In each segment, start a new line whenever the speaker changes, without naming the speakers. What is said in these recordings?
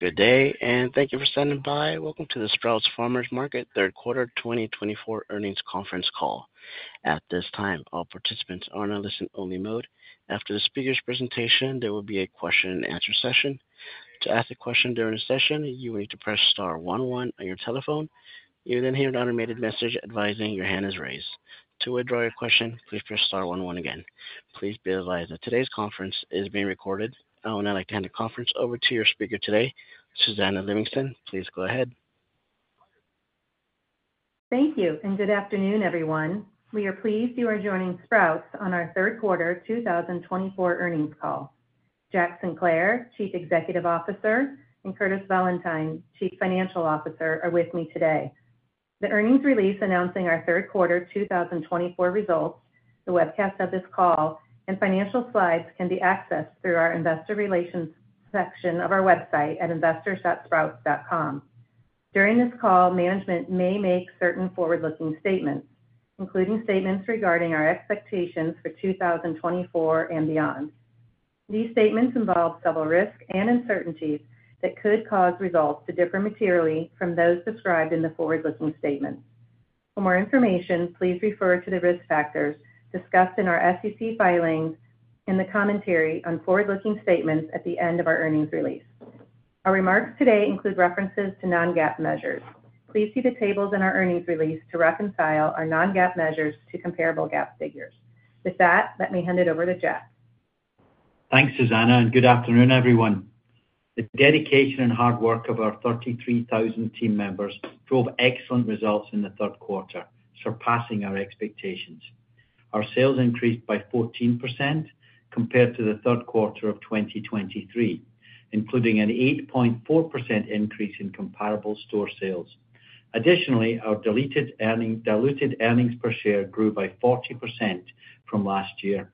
Good day, and thank you for stopping by. Welcome to the Sprouts Farmers Market third quarter 2024 earnings conference call. At this time, all participants are in a listen-only mode. After the speaker's presentation, there will be a question-and-answer session. To ask a question during the session, you will need to press star 11 on your telephone. You will then hear an automated message advising your hand is raised. To withdraw your question, please press star 11 again. Please be advised that today's conference is being recorded. I would now like to hand the conference over to your speaker today, Susannah Livingston. Please go ahead.
Thank you, and good afternoon, everyone. We are pleased you are joining Sprouts on our third quarter 2024 earnings call. Jack Sinclair, Chief Executive Officer, and Curtis Valentine, Chief Financial Officer, are with me today. The earnings release announcing our third quarter 2024 results, the webcast of this call, and financial slides can be accessed through our investor relations section of our website at investors.sprouts.com. During this call, management may make certain forward-looking statements, including statements regarding our expectations for 2024 and beyond. These statements involve several risks and uncertainties that could cause results to differ materially from those described in the forward-looking statements. For more information, please refer to the risk factors discussed in our SEC filings in the commentary on forward-looking statements at the end of our earnings release. Our remarks today include references to non-GAAP measures. Please see the tables in our earnings release to reconcile our non-GAAP measures to comparable GAAP figures. With that, let me hand it over to Jack.
Thanks, Susannah, and good afternoon, everyone. The dedication and hard work of our 33,000 team members drove excellent results in the third quarter, surpassing our expectations. Our sales increased by 14% compared to the third quarter of 2023, including an 8.4% increase in comparable store sales. Additionally, our diluted earnings per share grew by 40% from last year.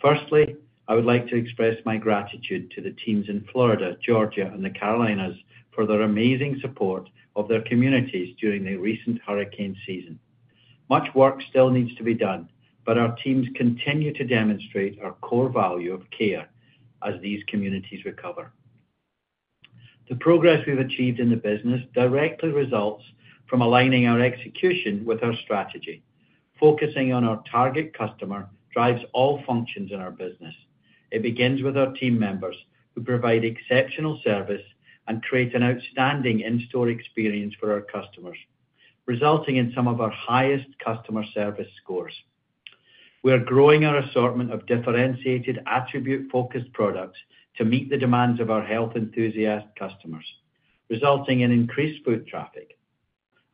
Firstly, I would like to express my gratitude to the teams in Florida, Georgia, and the Carolinas for their amazing support of their communities during the recent hurricane season. Much work still needs to be done, but our teams continue to demonstrate our core value of care as these communities recover. The progress we've achieved in the business directly results from aligning our execution with our strategy. Focusing on our target customer drives all functions in our business. It begins with our team members who provide exceptional service and create an outstanding in-store experience for our customers, resulting in some of our highest customer service scores. We are growing our assortment of differentiated, attribute-focused products to meet the demands of our health enthusiast customers, resulting in increased foot traffic.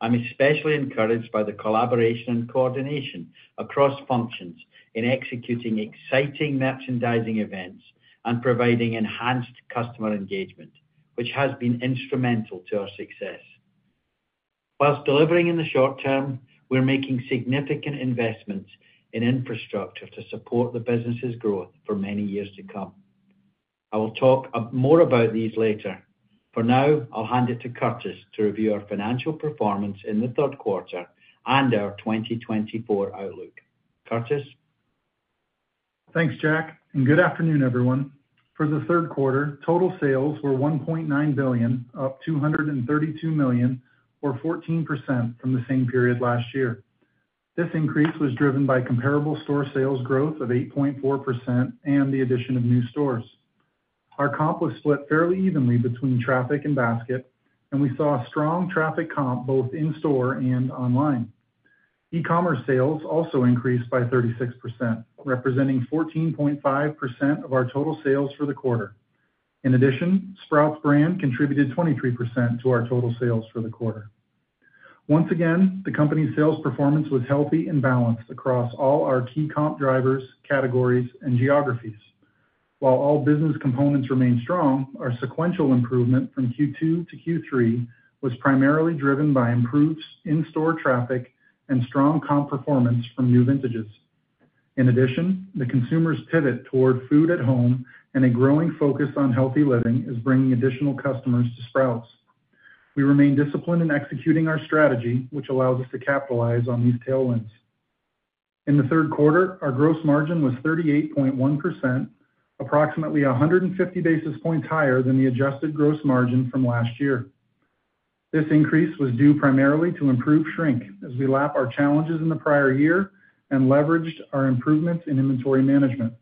I'm especially encouraged by the collaboration and coordination across functions in executing exciting merchandising events and providing enhanced customer engagement, which has been instrumental to our success. While delivering in the short term, we're making significant investments in infrastructure to support the business's growth for many years to come. I will talk more about these later. For now, I'll hand it to Curtis to review our financial performance in the third quarter and our 2024 outlook. Curtis.
Thanks, Jack, and good afternoon, everyone. For the third quarter, total sales were $1.9 billion, up $232 million, or 14% from the same period last year. This increase was driven by comparable store sales growth of 8.4% and the addition of new stores. Our comp was split fairly evenly between traffic and basket, and we saw a strong traffic comp both in-store and online. E-commerce sales also increased by 36%, representing 14.5% of our total sales for the quarter. In addition, Sprouts Brand contributed 23% to our total sales for the quarter. Once again, the company's sales performance was healthy and balanced across all our key comp drivers, categories, and geographies. While all business components remained strong, our sequential improvement from Q2 to Q3 was primarily driven by improved in-store traffic and strong comp performance from new vintages. In addition, the consumer's pivot toward food at home and a growing focus on healthy living is bringing additional customers to Sprouts. We remain disciplined in executing our strategy, which allows us to capitalize on these tailwinds. In the third quarter, our gross margin was 38.1%, approximately 150 basis points higher than the adjusted gross margin from last year. This increase was due primarily to improved shrink as we lapped our challenges in the prior year and leveraged our improvements in inventory management.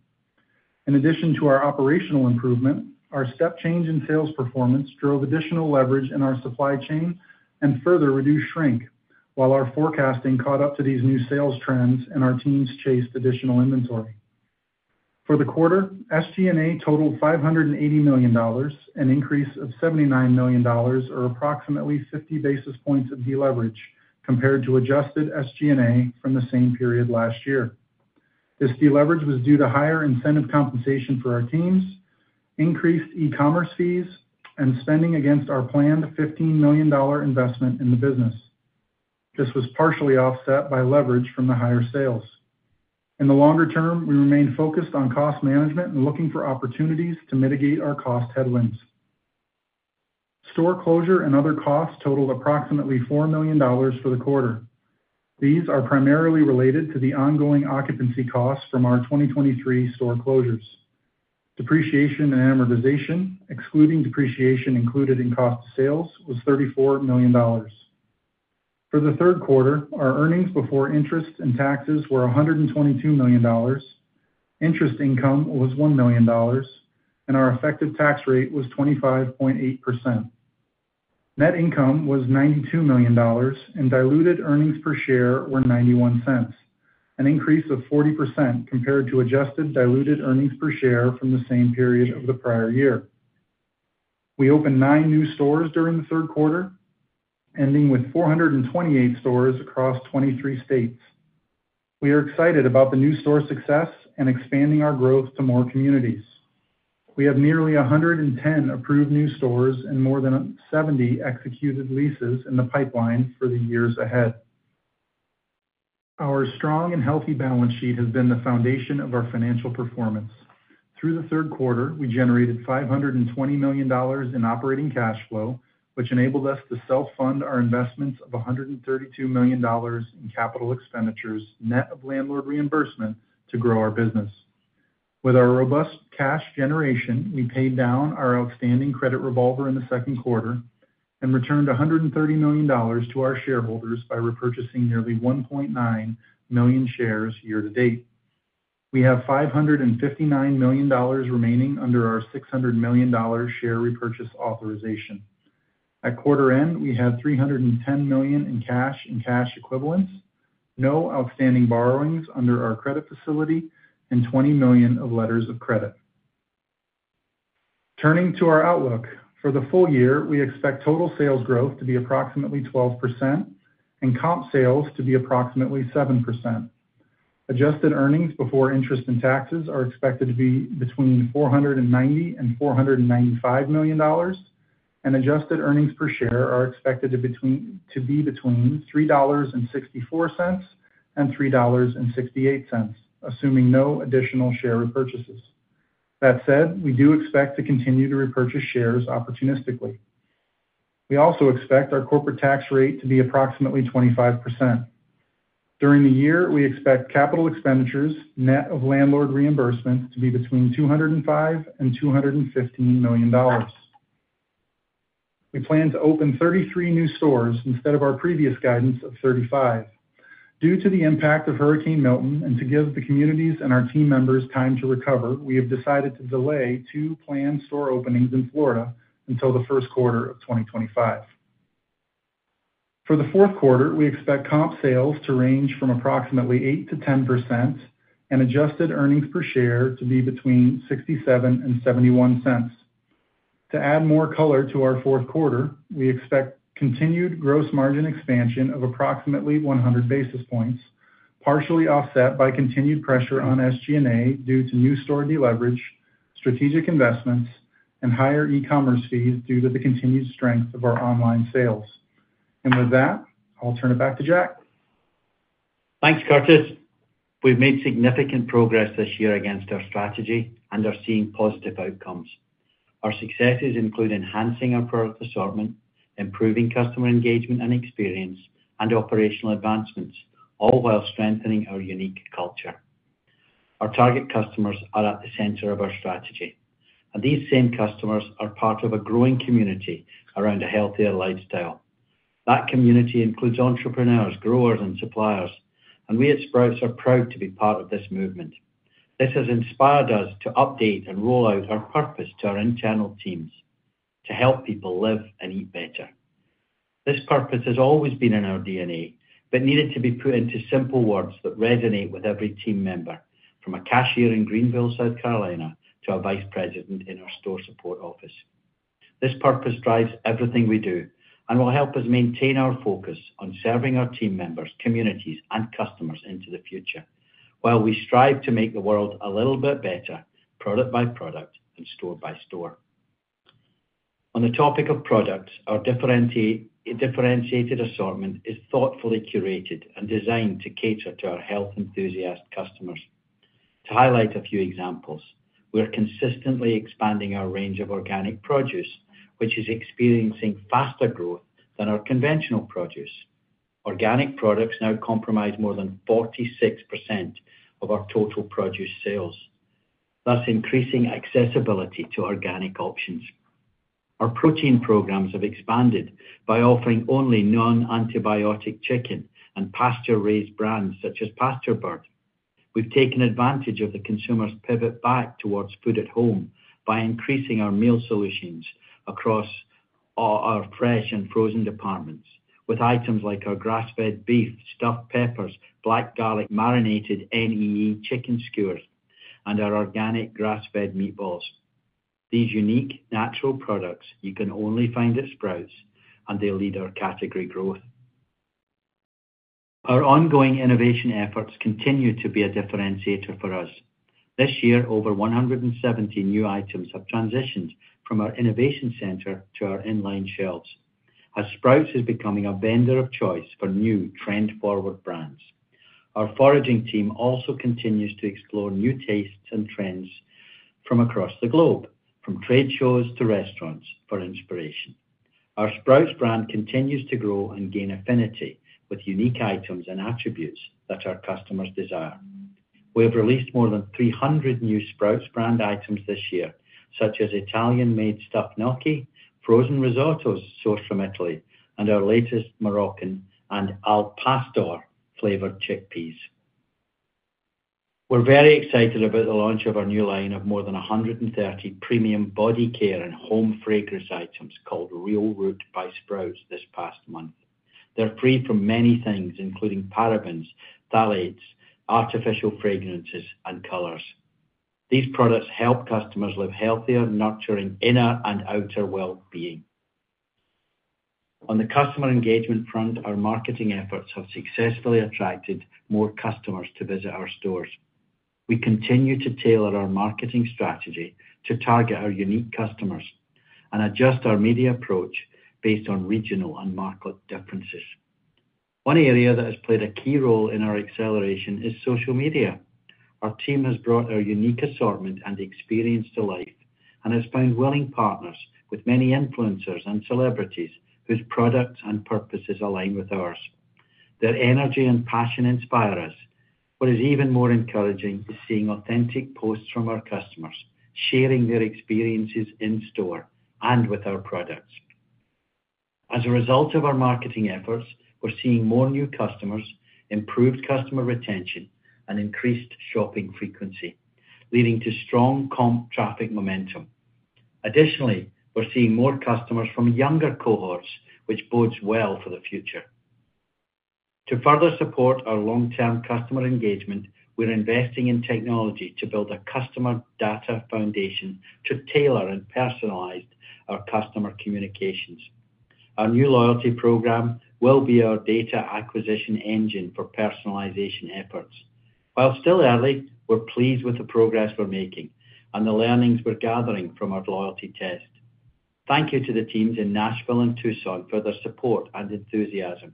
In addition to our operational improvement, our step change in sales performance drove additional leverage in our supply chain and further reduced shrink, while our forecasting caught up to these new sales trends and our teams chased additional inventory. For the quarter, SG&A totaled $580 million, an increase of $79 million, or approximately 50 basis points of deleverage compared to adjusted SG&A from the same period last year. This deleverage was due to higher incentive compensation for our teams, increased e-commerce fees, and spending against our planned $15 million investment in the business. This was partially offset by leverage from the higher sales. In the longer term, we remained focused on cost management and looking for opportunities to mitigate our cost headwinds. Store closure and other costs totaled approximately $4 million for the quarter. These are primarily related to the ongoing occupancy costs from our 2023 store closures. Depreciation and amortization, excluding depreciation included in cost of sales, was $34 million. For the third quarter, our earnings before interest and taxes were $122 million. Interest income was $1 million, and our effective tax rate was 25.8%. Net income was $92 million, and diluted earnings per share were $0.91, an increase of 40% compared to adjusted diluted earnings per share from the same period of the prior year. We opened nine new stores during the third quarter, ending with 428 stores across 23 states. We are excited about the new store success and expanding our growth to more communities. We have nearly 110 approved new stores and more than 70 executed leases in the pipeline for the years ahead. Our strong and healthy balance sheet has been the foundation of our financial performance. Through the third quarter, we generated $520 million in operating cash flow, which enabled us to self-fund our investments of $132 million in capital expenditures net of landlord reimbursement to grow our business. With our robust cash generation, we paid down our outstanding credit revolver in the second quarter and returned $130 million to our shareholders by repurchasing nearly 1.9 million shares year to date. We have $559 million remaining under our $600 million share repurchase authorization. At quarter end, we had $310 million in cash and cash equivalents, no outstanding borrowings under our credit facility, and 20 million of letters of credit. Turning to our outlook, for the full year, we expect total sales growth to be approximately 12% and comp sales to be approximately 7%. Adjusted earnings before interest and taxes are expected to be between $490 million-$495 million, and adjusted earnings per share are expected to be between $3.64-$3.68, assuming no additional share repurchases. That said, we do expect to continue to repurchase shares opportunistically. We also expect our corporate tax rate to be approximately 25%. During the year, we expect capital expenditures net of landlord reimbursement to be between $205 million-$215 million. We plan to open 33 new stores instead of our previous guidance of 35. Due to the impact of Hurricane Milton and to give the communities and our team members time to recover, we have decided to delay two planned store openings in Florida until the first quarter of 2025. For the fourth quarter, we expect comp sales to range from approximately 8%-10% and adjusted earnings per share to be between $0.67-$0.71. To add more color to our fourth quarter, we expect continued gross margin expansion of approximately 100 basis points, partially offset by continued pressure on SG&A due to new store deleverage, strategic investments, and higher e-commerce fees due to the continued strength of our online sales. With that, I'll turn it back to Jack.
Thanks, Curtis. We've made significant progress this year against our strategy, and we're seeing positive outcomes. Our successes include enhancing our product assortment, improving customer engagement and experience, and operational advancements, all while strengthening our unique culture. Our target customers are at the center of our strategy, and these same customers are part of a growing community around a healthier lifestyle. That community includes entrepreneurs, growers, and suppliers, and we at Sprouts are proud to be part of this movement. This has inspired us to update and roll out our purpose to our internal teams: to help people live and eat better. This purpose has always been in our DNA but needed to be put into simple words that resonate with every team member, from a cashier in Greenville, South Carolina, to a vice president in our store support office. This purpose drives everything we do and will help us maintain our focus on serving our team members, communities, and customers into the future while we strive to make the world a little bit better, product by product and store by store. On the topic of products, our differentiated assortment is thoughtfully curated and designed to cater to our health enthusiast customers. To highlight a few examples, we're consistently expanding our range of organic produce, which is experiencing faster growth than our conventional produce. Organic products now comprise more than 46% of our total produce sales, thus increasing accessibility to organic options. Our protein programs have expanded by offering only non-antibiotic chicken and pasture-raised brands such as Pasturebird. We've taken advantage of the consumer's pivot back towards food at home by increasing our meal solutions across our fresh and frozen departments, with items like our grass-fed beef stuffed peppers, black garlic marinated chicken skewers, and our organic grass-fed meatballs. These unique natural products you can only find at Sprouts, and they lead our category growth. Our ongoing innovation efforts continue to be a differentiator for us. This year, over 170 new items have transitioned from our Innovation Center to our inline shelves, as Sprouts is becoming a vendor of choice for new trend-forward brands. Our foraging team also continues to explore new tastes and trends from across the globe, from trade shows to restaurants, for inspiration. Our Sprouts Brand continues to grow and gain affinity with unique items and attributes that our customers desire. We have released more than 300 new Sprouts Brand items this year, such as Italian-made stuffed gnocchi, frozen risottos sourced from Italy, and our latest Moroccan and al pastor-flavored chickpeas. We're very excited about the launch of our new line of more than 130 premium body care and home fragrance items called Real Root by Sprouts this past month. They're free from many things, including parabens, phthalates, artificial fragrances, and colors. These products help customers live healthier, nurturing inner and outer well-being. On the customer engagement front, our marketing efforts have successfully attracted more customers to visit our stores. We continue to tailor our marketing strategy to target our unique customers and adjust our media approach based on regional and market differences. One area that has played a key role in our acceleration is social media. Our team has brought our unique assortment and experience to life and has found willing partners with many influencers and celebrities whose products and purposes align with ours. Their energy and passion inspire us. What is even more encouraging is seeing authentic posts from our customers sharing their experiences in store and with our products. As a result of our marketing efforts, we're seeing more new customers, improved customer retention, and increased shopping frequency, leading to strong comp traffic momentum. Additionally, we're seeing more customers from younger cohorts, which bodes well for the future. To further support our long-term customer engagement, we're investing in technology to build a customer data foundation to tailor and personalize our customer communications. Our new loyalty program will be our data acquisition engine for personalization efforts. While still early, we're pleased with the progress we're making and the learnings we're gathering from our loyalty test. Thank you to the teams in Nashville and Tucson for their support and enthusiasm.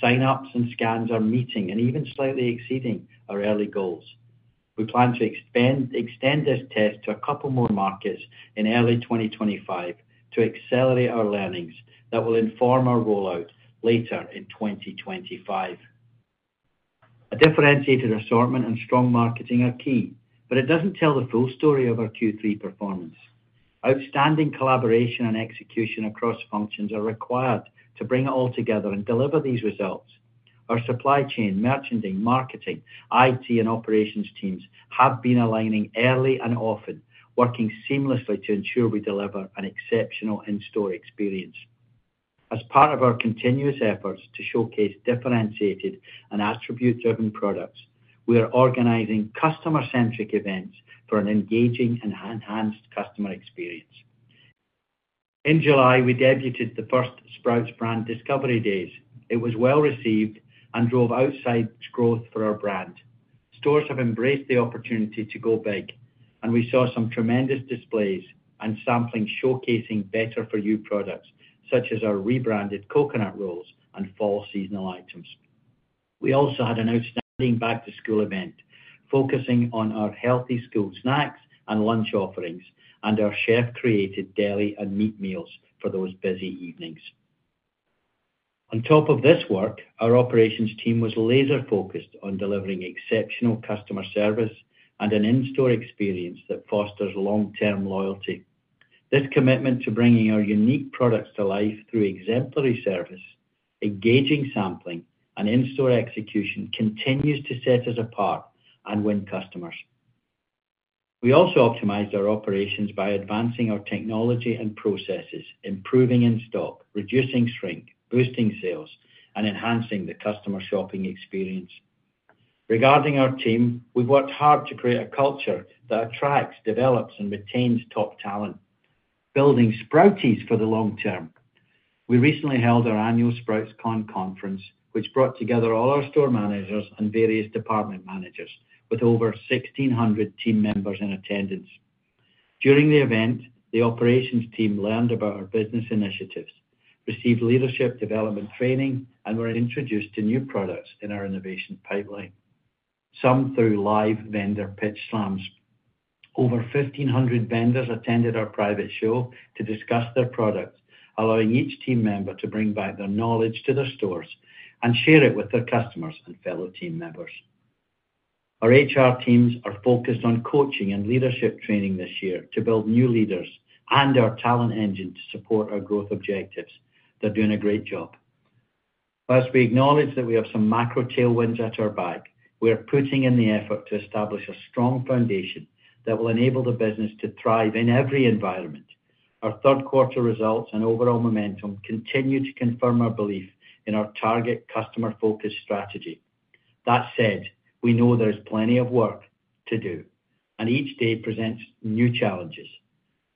Sign-ups and scans are meeting and even slightly exceeding our early goals. We plan to extend this test to a couple more markets in early 2025 to accelerate our learnings that will inform our rollout later in 2025. A differentiated assortment and strong marketing are key, but it doesn't tell the full story of our Q3 performance. Outstanding collaboration and execution across functions are required to bring it all together and deliver these results. Our supply chain, merchanting, marketing, IT, and operations teams have been aligning early and often, working seamlessly to ensure we deliver an exceptional in-store experience. As part of our continuous efforts to showcase differentiated and attribute-driven products, we are organizing customer-centric events for an engaging and enhanced customer experience. In July, we debuted the first Sprouts Brand Discovery Days. It was well received and drove outside growth for our brand. Stores have embraced the opportunity to go big, and we saw some tremendous displays and sampling showcasing better-for-you products, such as our rebranded coconut rolls and fall seasonal items. We also had an outstanding back-to-school event focusing on our healthy school snacks and lunch offerings and our chef-created deli and meat meals for those busy evenings. On top of this work, our operations team was laser-focused on delivering exceptional customer service and an in-store experience that fosters long-term loyalty. This commitment to bringing our unique products to life through exemplary service, engaging sampling, and in-store execution continues to set us apart and win customers. We also optimized our operations by advancing our technology and processes, improving in-stock, reducing shrink, boosting sales, and enhancing the customer shopping experience. Regarding our team, we've worked hard to create a culture that attracts, develops, and retains top talent, building Sprouts for the long term. We recently held our annual SproutsCon conference, which brought together all our store managers and various department managers with over 1,600 team members in attendance. During the event, the operations team learned about our business initiatives, received leadership development training, and were introduced to new products in our innovation pipeline, some through live vendor pitch slams. Over 1,500 vendors attended our private show to discuss their products, allowing each team member to bring back their knowledge to their stores and share it with their customers and fellow team members. Our HR teams are focused on coaching and leadership training this year to build new leaders and our talent engine to support our growth objectives. They're doing a great job. As we acknowledge that we have some macro tailwinds at our back, we're putting in the effort to establish a strong foundation that will enable the business to thrive in every environment. Our third-quarter results and overall momentum continue to confirm our belief in our target customer-focused strategy. That said, we know there is plenty of work to do, and each day presents new challenges.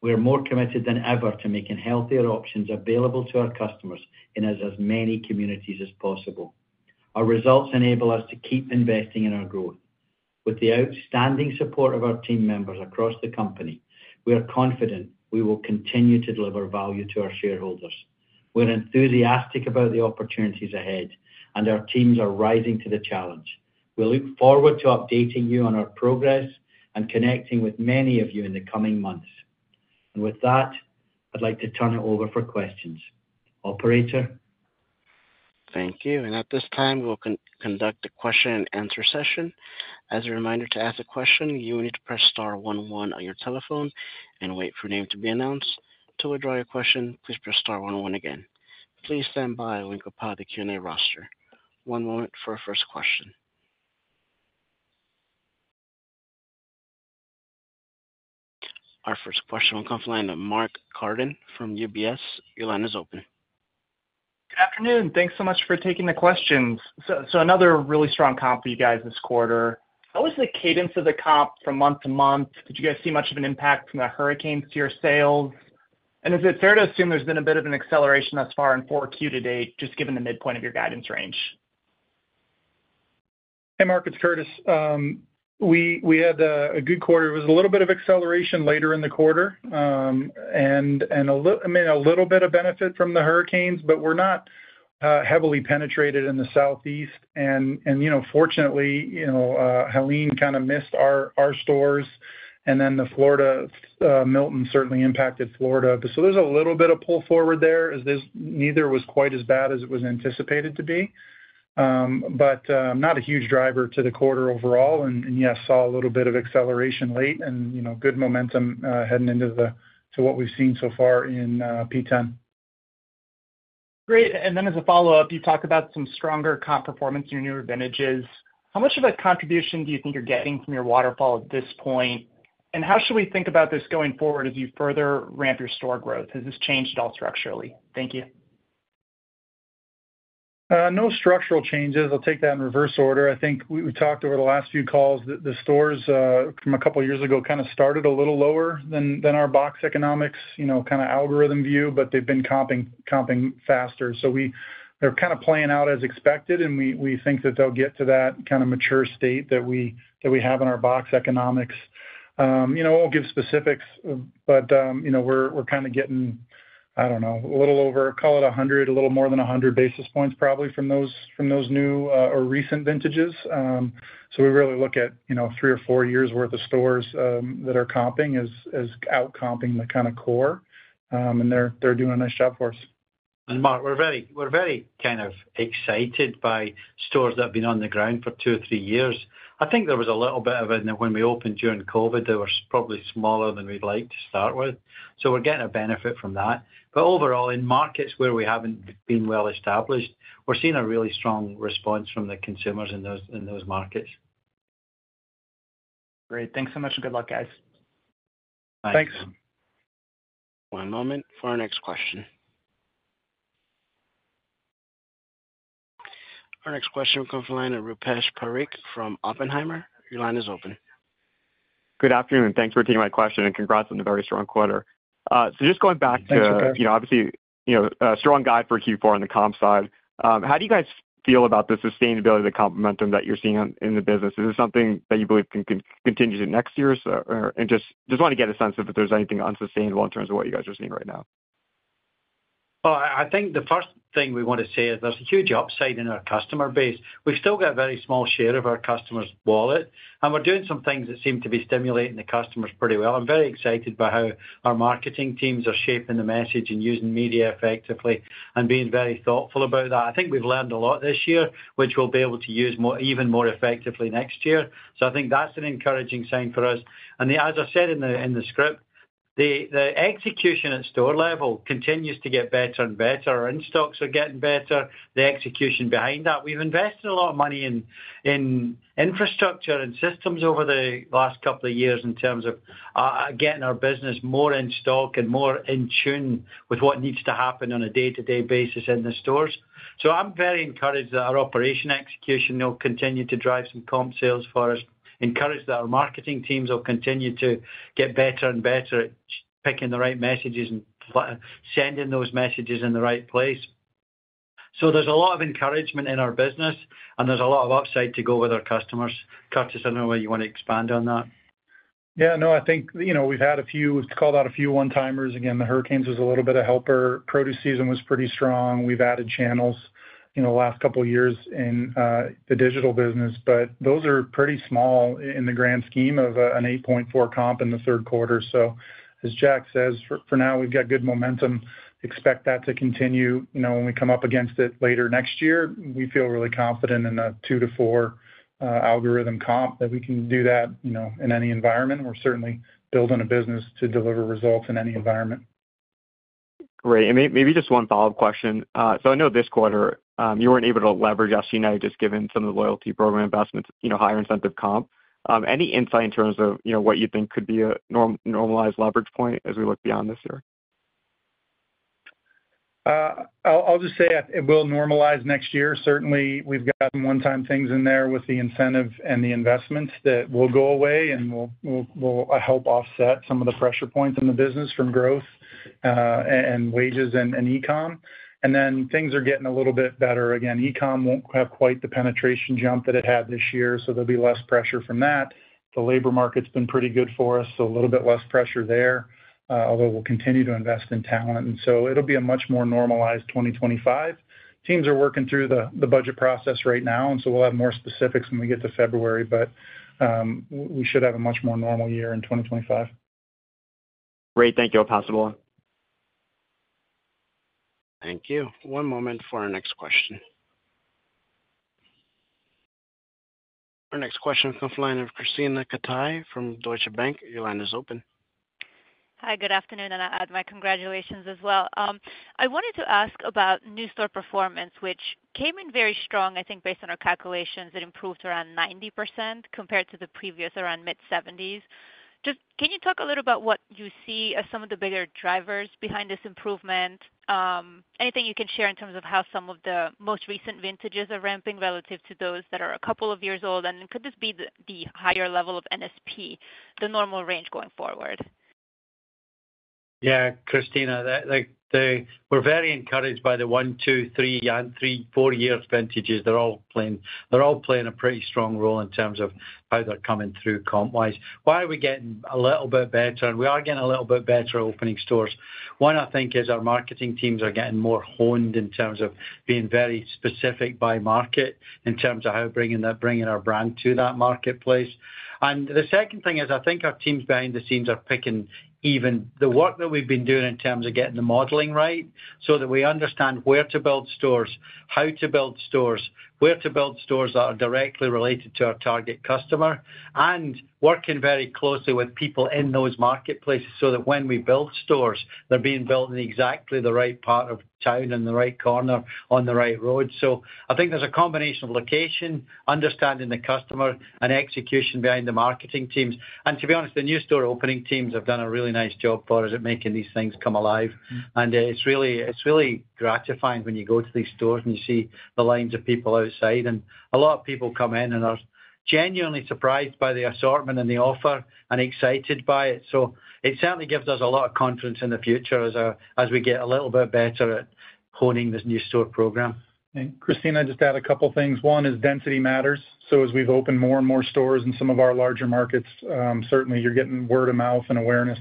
We are more committed than ever to making healthier options available to our customers in as many communities as possible. Our results enable us to keep investing in our growth. With the outstanding support of our team members across the company, we are confident we will continue to deliver value to our shareholders. We're enthusiastic about the opportunities ahead, and our teams are rising to the challenge. We look forward to updating you on our progress and connecting with many of you in the coming months. And with that, I'd like to turn it over for questions. Operator.
Thank you. And at this time, we'll conduct a question-and-answer session. As a reminder to ask a question, you will need to press star 11 on your telephone and wait for your name to be announced. Until we draw your question, please press star 11 again. Please stand by while we compile the Q&A roster. One moment for our first question. Our first question will come from Mark Carden from UBS. Your line is open.
Good afternoon. Thanks so much for taking the questions. So another really strong comp for you guys this quarter. How was the cadence of the comp from month to month? Did you guys see much of an impact from the hurricane to your sales? And is it fair to assume there's been a bit of an acceleration thus far in four Q to date, just given the midpoint of your guidance range?
Hey, Mark, it's Curtis. We had a good quarter. It was a little bit of acceleration later in the quarter and, I mean, a little bit of benefit from the hurricanes, but we're not heavily penetrated in the Southeast. And fortunately, Helene kind of missed our stores, and then the Florida Milton certainly impacted Florida. So there's a little bit of pull forward there, as neither was quite as bad as it was anticipated to be, but not a huge driver to the quarter overall. And yes, saw a little bit of acceleration late and good momentum heading into what we've seen so far in P10.
Great. And then as a follow-up, you talked about some stronger comp performance in your new vintages. How much of a contribution do you think you're getting from your waterfall at this point? And how should we think about this going forward as you further ramp your store growth? Has this changed at all structurally? Thank you.
No structural changes. I'll take that in reverse order. I think we talked over the last few calls that the stores from a couple of years ago kind of started a little lower than our box economics kind of algorithm view, but they've been comping faster. So they're kind of playing out as expected, and we think that they'll get to that kind of mature state that we have in our box economics. I won't give specifics, but we're kind of getting, I don't know, a little over, call it 100, a little more than 100 basis points probably from those new or recent vintages. So we really look at three or four years' worth of stores that are comping as out-comping the kind of core, and they're doing a nice job for us.
And Mark, we're very kind of excited by stores that have been on the ground for two or three years. I think there was a little bit of it when we opened during COVID. They were probably smaller than we'd like to start with. So we're getting a benefit from that. But overall, in markets where we haven't been well established, we're seeing a really strong response from the consumers in those markets.
Great. Thanks so much and good luck, guys.
Thanks.
One moment for our next question. Our next question will come from Rupesh Parikh from Oppenheimer. Your line is open.
Good afternoon. Thanks for taking my question and congrats on the very strong quarter. So just going back to.
Thanks, okay.
Obviously, a strong guide for Q4 on the comp side. How do you guys feel about the sustainability of the comp momentum that you're seeing in the business? Is this something that you believe can continue next year? And just want to get a sense of if there's anything unsustainable in terms of what you guys are seeing right now.
Well, I think the first thing we want to say is there's a huge upside in our customer base. We've still got a very small share of our customer's wallet, and we're doing some things that seem to be stimulating the customers pretty well. I'm very excited by how our marketing teams are shaping the message and using media effectively and being very thoughtful about that. I think we've learned a lot this year, which we'll be able to use even more effectively next year. So I think that's an encouraging sign for us. And as I said in the script, the execution at store level continues to get better and better. Our in-stocks are getting better. The execution behind that, we've invested a lot of money in infrastructure and systems over the last couple of years in terms of getting our business more in-stock and more in tune with what needs to happen on a day-to-day basis in the stores. So I'm very encouraged that our operation execution will continue to drive some comp sales for us, encouraged that our marketing teams will continue to get better and better at picking the right messages and sending those messages in the right place. So there's a lot of encouragement in our business, and there's a lot of upside to go with our customers. Curtis, I don't know whether you want to expand on that.
Yeah, no, I think we've had a few, we've called out a few one-timers. Again, the hurricanes was a little bit of helper. Produce season was pretty strong. We've added channels the last couple of years in the digital business, but those are pretty small in the grand scheme of an 8.4% comp in the third quarter. So as Jack says, for now, we've got good momentum. Expect that to continue when we come up against it later next year. We feel really confident in a 2%-4% algorithm comp that we can do that in any environment. We're certainly building a business to deliver results in any environment.
Great. And maybe just one follow-up question. So I know this quarter you weren't able to leverage SG&A just given some of the loyalty program investments, higher incentive comp. Any insight in terms of what you think could be a normalized leverage point as we look beyond this year?
I'll just say it will normalize next year. Certainly, we've got some one-time things in there with the incentive and the investments that will go away, and we'll help offset some of the pressure points in the business from growth and wages and e-com, and then things are getting a little bit better. Again, e-com won't have quite the penetration jump that it had this year, so there'll be less pressure from that. The labor market's been pretty good for us, so a little bit less pressure there, although we'll continue to invest in talent, and so it'll be a much more normalized 2025. Teams are working through the budget process right now, and so we'll have more specifics when we get to February, but we should have a much more normal year in 2025.
Great. Thank you, I'll pass it along.
Thank you. One moment for our next question. Our next question will come from Krisztina Katai from Deutsche Bank. Your line is open.
Hi, good afternoon, and I add my congratulations as well. I wanted to ask about new store performance, which came in very strong, I think, based on our calculations. It improved around 90% compared to the previous around mid-70s. Just can you talk a little about what you see as some of the bigger drivers behind this improvement? Anything you can share in terms of how some of the most recent vintages are ramping relative to those that are a couple of years old? And could this be the higher level of NSP, the normal range going forward?
Yeah, Krisztina, we're very encouraged by the one-, two-, three-, and three-four-year vintages. They're all playing a pretty strong role in terms of how they're coming through comp-wise. Why are we getting a little bit better? And we are getting a little bit better opening stores. One, I think, is our marketing teams are getting more honed in terms of being very specific by market in terms of how we're bringing our brand to that marketplace. The second thing is I think our teams behind the scenes are picking even the work that we've been doing in terms of getting the modeling right so that we understand where to build stores, how to build stores, where to build stores that are directly related to our target customer, and working very closely with people in those marketplaces so that when we build stores, they're being built in exactly the right part of town, in the right corner, on the right road. I think there's a combination of location, understanding the customer, and execution behind the marketing teams. To be honest, the new store opening teams have done a really nice job for us at making these things come alive. It's really gratifying when you go to these stores and you see the lines of people outside. A lot of people come in and are genuinely surprised by the assortment and the offer and excited by it. It certainly gives us a lot of confidence in the future as we get a little bit better at honing this new store program.
Krisztina, just add a couple of things. One is density matters. So as we've opened more and more stores in some of our larger markets, certainly, you're getting word of mouth and awareness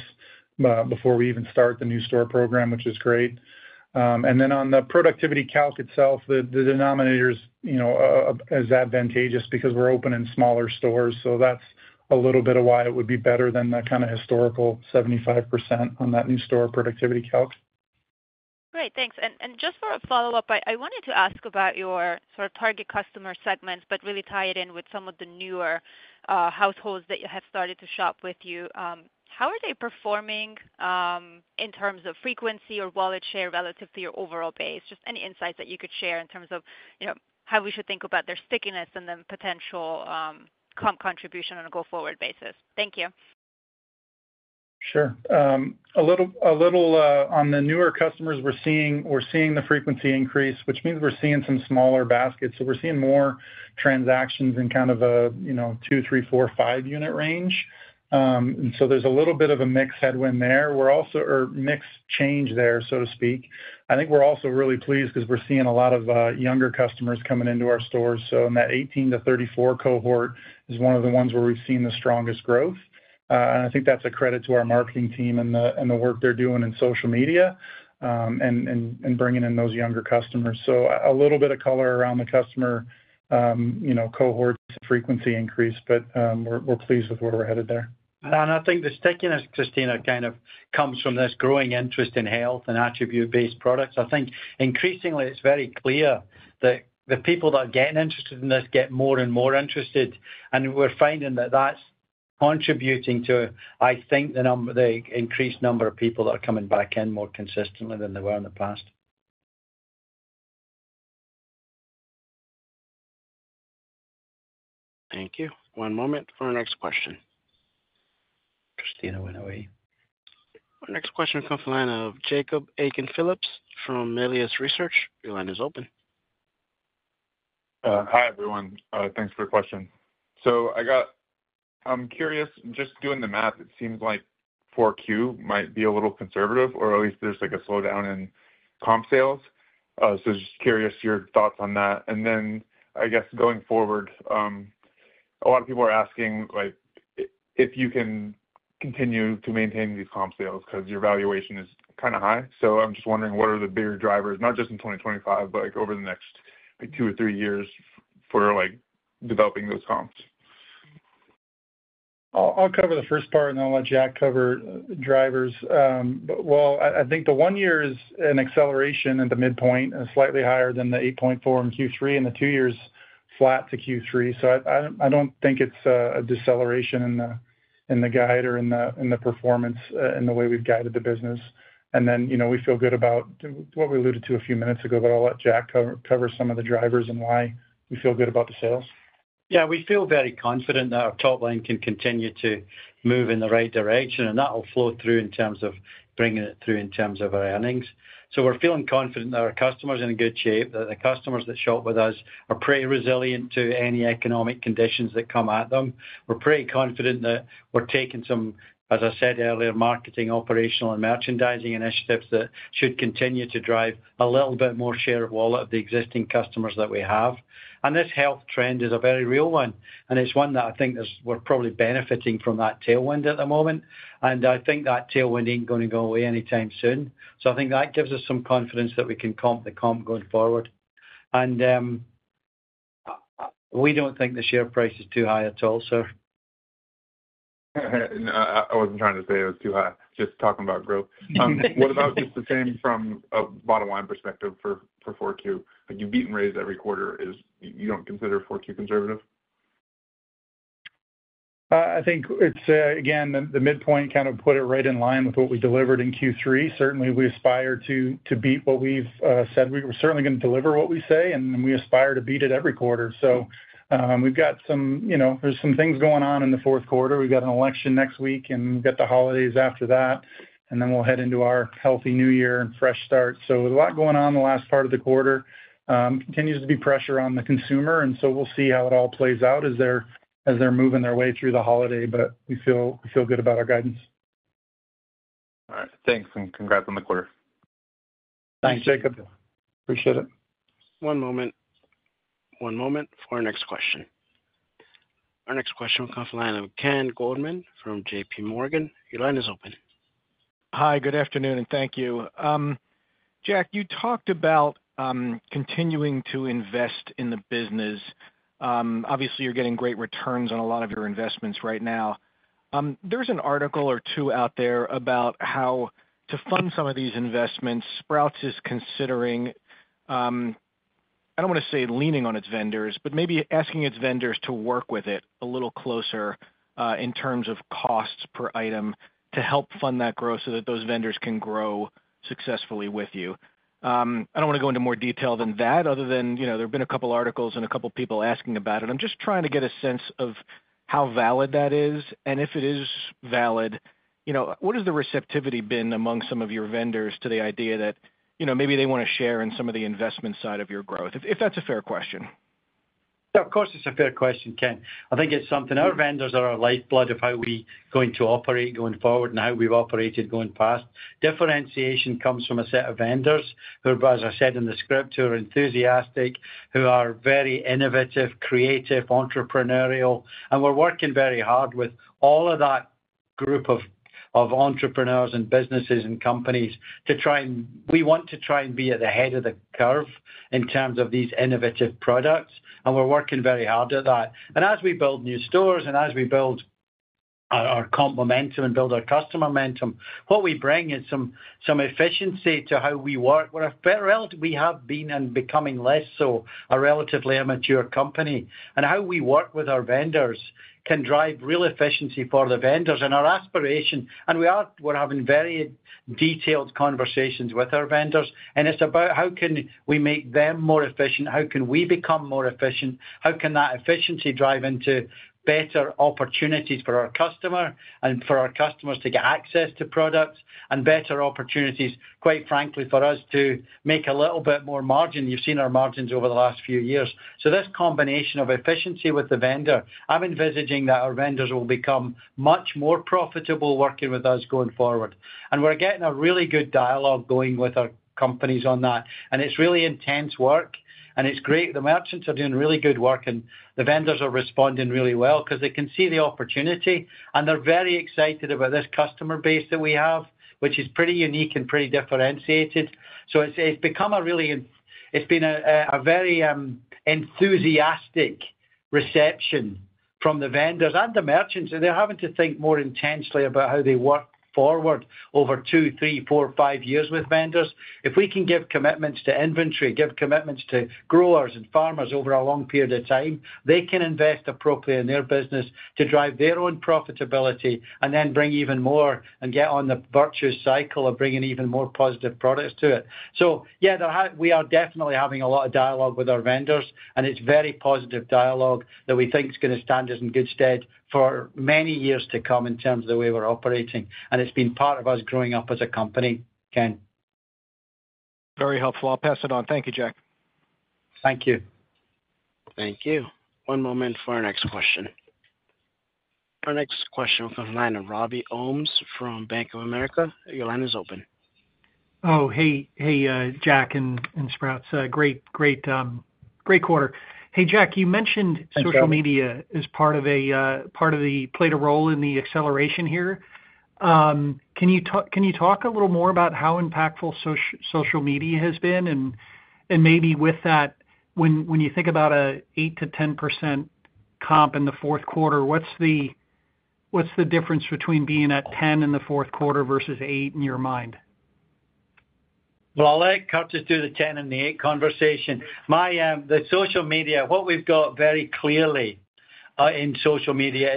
before we even start the new store program, which is great. And then on the productivity calc itself, the denominator is advantageous because we're opening smaller stores. So that's a little bit of why it would be better than that kind of historical 75% on that new store productivity calc.
Great. Thanks. And just for a follow-up, I wanted to ask about your sort of target customer segments, but really tie it in with some of the newer households that you have started to shop with you. How are they performing in terms of frequency or wallet share relative to your overall base? Just any insights that you could share in terms of how we should think about their stickiness and then potential comp contribution on a go-forward basis. Thank you.
Sure. A little on the newer customers, we're seeing the frequency increase, which means we're seeing some smaller baskets. So we're seeing more transactions in kind of a two, three, four, five-unit range. And so there's a little bit of a mixed headwind there, or mixed change there, so to speak. I think we're also really pleased because we're seeing a lot of younger customers coming into our stores. So in that 18 to 34 cohort is one of the ones where we've seen the strongest growth. And I think that's a credit to our marketing team and the work they're doing in social media and bringing in those younger customers. So a little bit of color around the customer cohorts and frequency increase, but we're pleased with where we're headed there.
I think the stickiness, Krisztina, kind of comes from this growing interest in health and attribute-based products. I think increasingly, it's very clear that the people that are getting interested in this get more and more interested. We're finding that that's contributing to, I think, the increased number of people that are coming back in more consistently than they were in the past.
Thank you. One moment for our next question. Christina went away. Our next question will come from the line of Jacob Aiken-Phillips from Melius Research. Your line is open.
Hi, everyone. Thanks for the question. So I'm curious, just doing the math, it seems like 4Q might be a little conservative, or at least there's a slowdown in comp sales. So just curious, your thoughts on that. And then I guess going forward, a lot of people are asking if you can continue to maintain these comp sales because your valuation is kind of high. So I'm just wondering what are the bigger drivers, not just in 2025, but over the next two or three years for developing those comps?
I'll cover the first part, and then I'll let Jack cover drivers. I think the one year is an acceleration at the midpoint and slightly higher than the 8.4 in Q3, and the two year is flat to Q3. I don't think it's a deceleration in the guide or in the performance in the way we've guided the business, then we feel good about what we alluded to a few minutes ago, but I'll let Jack cover some of the drivers and why we feel good about the sales.
Yeah, we feel very confident that our top line can continue to move in the right direction, and that'll flow through in terms of bringing it through in terms of our earnings. So we're feeling confident that our customers are in good shape, that the customers that shop with us are pretty resilient to any economic conditions that come at them. We're pretty confident that we're taking some, as I said earlier, marketing, operational, and merchandising initiatives that should continue to drive a little bit more share of wallet of the existing customers that we have. And this health trend is a very real one, and it's one that I think we're probably benefiting from that tailwind at the moment. And I think that tailwind ain't going to go away anytime soon. So I think that gives us some confidence that we can comp the comp going forward. We don't think the share price is too high at all, sir.
I wasn't trying to say it was too high, just talking about growth. What about just the same from a bottom-line perspective for 4Q? You beat and raise every quarter. You don't consider 4Q conservative?
I think it's, again, the midpoint kind of put it right in line with what we delivered in Q3. Certainly, we aspire to beat what we've said. We're certainly going to deliver what we say, and we aspire to beat it every quarter. So we've got some. There's some things going on in the fourth quarter. We've got an election next week, and we've got the holidays after that, and then we'll head into our healthy new year and fresh start. So a lot going on the last part of the quarter. Continues to be pressure on the consumer, and so we'll see how it all plays out as they're moving their way through the holiday, but we feel good about our guidance.
All right. Thanks, and congrats on the quarter.
Thanks, Jacob. Appreciate it.
One moment. One moment for our next question. Our next question will come from Ken Goldman from JPMorgan. Your line is open.
Hi, good afternoon, and thank you. Jack, you talked about continuing to invest in the business. Obviously, you're getting great returns on a lot of your investments right now. There's an article or two out there about how to fund some of these investments. Sprouts is considering - I don't want to say leaning on its vendors, but maybe asking its vendors to work with it a little closer in terms of costs per item to help fund that growth so that those vendors can grow successfully with you. I don't want to go into more detail than that, other than there have been a couple of articles and a couple of people asking about it. I'm just trying to get a sense of how valid that is. If it is valid, what has the receptivity been among some of your vendors to the idea that maybe they want to share in some of the investment side of your growth, if that's a fair question?
Yeah, of course, it's a fair question, Ken. I think it's something our vendors are our lifeblood of how we're going to operate going forward and how we've operated going past. Differentiation comes from a set of vendors who, as I said in the script, who are enthusiastic, who are very innovative, creative, entrepreneurial. And we're working very hard with all of that group of entrepreneurs and businesses and companies to try and, we want to try and be at the head of the curve in terms of these innovative products. And we're working very hard at that. And as we build new stores and as we build our comp momentum and build our customer momentum, what we bring is some efficiency to how we work. Whereas we have been and becoming less so a relatively immature company, and how we work with our vendors can drive real efficiency for the vendors and our aspiration. And we're having very detailed conversations with our vendors, and it's about how can we make them more efficient? How can we become more efficient? How can that efficiency drive into better opportunities for our customer and for our customers to get access to products and better opportunities, quite frankly, for us to make a little bit more margin? You've seen our margins over the last few years. So this combination of efficiency with the vendor, I'm envisaging that our vendors will become much more profitable working with us going forward. And we're getting a really good dialogue going with our companies on that, and it's really intense work, and it's great. The merchants are doing really good work, and the vendors are responding really well because they can see the opportunity, and they're very excited about this customer base that we have, which is pretty unique and pretty differentiated. It's been a very enthusiastic reception from the vendors and the merchants. They're having to think more intensely about how they work forward over two, three, four, five years with vendors. If we can give commitments to inventory, give commitments to growers and farmers over a long period of time, they can invest appropriately in their business to drive their own profitability and then bring even more and get on the virtuous cycle of bringing even more positive products to it. Yeah, we are definitely having a lot of dialogue with our vendors, and it's very positive dialogue that we think is going to stand us in good stead for many years to come in terms of the way we're operating. It's been part of us growing up as a company, Ken.
Very helpful. I'll pass it on. Thank you, Jack.
Thank you.
Thank you. One moment for our next question. Our next question will come from Robbie Ohmes from Bank of America. Your line is open.
Oh, hey, Jack and Sprouts. Great quarter. Hey, Jack, you mentioned social media played a role in the acceleration here. Can you talk a little more about how impactful social media has been? And maybe with that, when you think about an 8%-10% comp in the fourth quarter, what's the difference between being at 10% in the fourth quarter versus 8% in your mind?
I'll let you Curtis through the 10 and the 8 conversation. The social media, what we've got very clearly in social media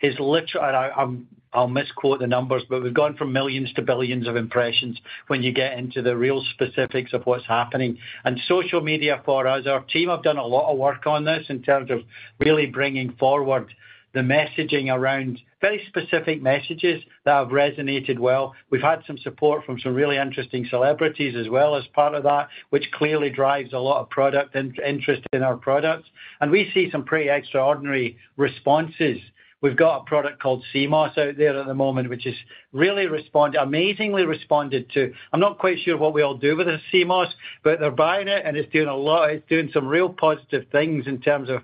is literally—and I'll misquote the numbers—but we've gone from millions to billions of impressions when you get into the real specifics of what's happening. Social media for us, our team have done a lot of work on this in terms of really bringing forward the messaging around very specific messages that have resonated well. We've had some support from some really interesting celebrities as well as part of that, which clearly drives a lot of product and interest in our products. We see some pretty extraordinary responses. We've got a product called Sea Moss out there at the moment, which has really responded, amazingly responded to. I'm not quite sure what we all do with the Sea Moss, but they're buying it, and it's doing a lot of. It's doing some real positive things in terms of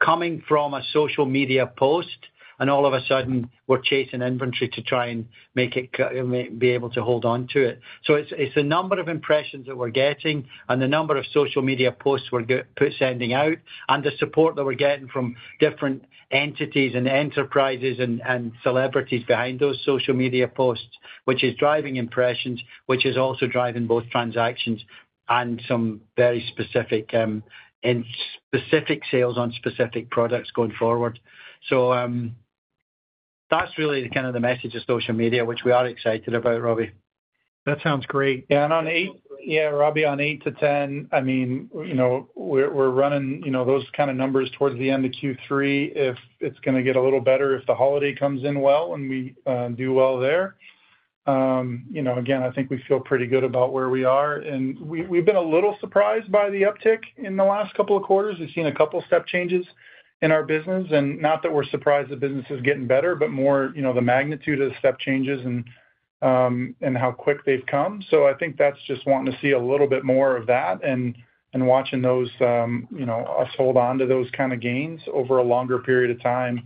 coming from a social media post, and all of a sudden, we're chasing inventory to try and be able to hold on to it. So it's the number of impressions that we're getting and the number of social media posts we're sending out and the support that we're getting from different entities and enterprises and celebrities behind those social media posts, which is driving impressions, which is also driving both transactions and some very specific sales on specific products going forward. So that's really kind of the message of social media, which we are excited about, Robbie.
That sounds great. Yeah, and on 8, yeah, Robbie, on 8 to 10, I mean, we're running those kind of numbers towards the end of Q3 if it's going to get a little better if the holiday comes in well and we do well there. Again, I think we feel pretty good about where we are, and we've been a little surprised by the uptick in the last couple of quarters. We've seen a couple of step changes in our business, and not that we're surprised the business is getting better, but more the magnitude of the step changes and how quick they've come. So I think that's just wanting to see a little bit more of that and watching us hold on to those kind of gains over a longer period of time.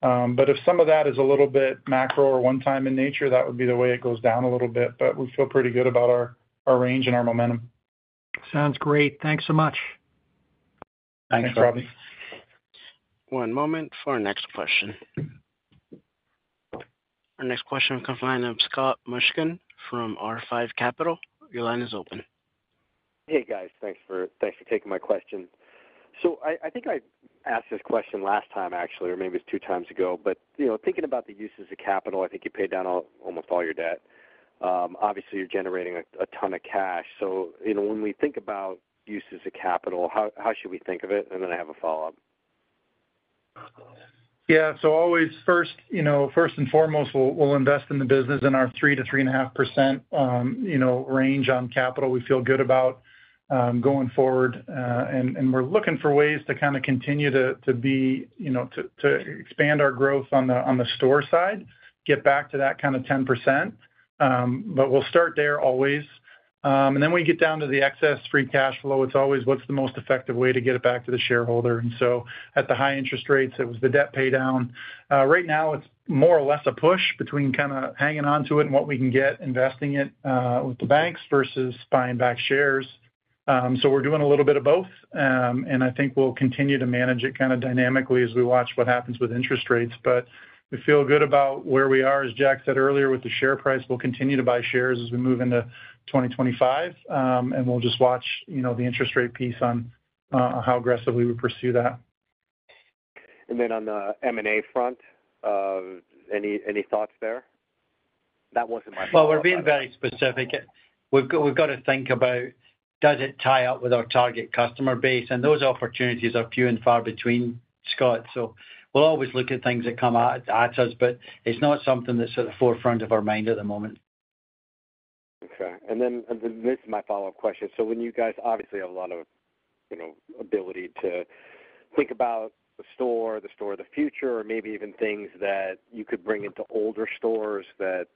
But if some of that is a little bit macro or one-time in nature, that would be the way it goes down a little bit. But we feel pretty good about our range and our momentum.
Sounds great. Thanks so much. Thanks, Robbie.
One moment for our next question. Our next question will come from Scott Mushkin from R5 Capital. Your line is open.
Hey, guys. Thanks for taking my question. So I think I asked this question last time, actually, or maybe it was two times ago. But thinking about the uses of capital, I think you've paid down almost all your debt. Obviously, you're generating a ton of cash. So when we think about uses of capital, how should we think of it? And then I have a follow-up.
Yeah. So always first and foremost, we'll invest in the business in our 3%-3.5% range on capital. We feel good about going forward, and we're looking for ways to kind of continue to expand our growth on the store side, get back to that kind of 10%. But we'll start there always, and then when you get down to the excess free cash flow, it's always what's the most effective way to get it back to the shareholder, and so at the high interest rates, it was the debt paydown. Right now, it's more or less a push between kind of hanging on to it and what we can get, investing it with the banks versus buying back shares, so we're doing a little bit of both, and I think we'll continue to manage it kind of dynamically as we watch what happens with interest rates. But we feel good about where we are. As Jack said earlier with the share price, we'll continue to buy shares as we move into 2025, and we'll just watch the interest rate piece on how aggressively we pursue that.
And then on the M&A front, any thoughts there? That wasn't my follow-up.
We're being very specific. We've got to think about does it tie up with our target customer base? Those opportunities are few and far between, Scott. We'll always look at things that come at us, but it's not something that's at the forefront of our mind at the moment.
Okay. And then this is my follow-up question. So when you guys obviously have a lot of ability to think about the store, the store of the future, or maybe even things that you could bring into older stores that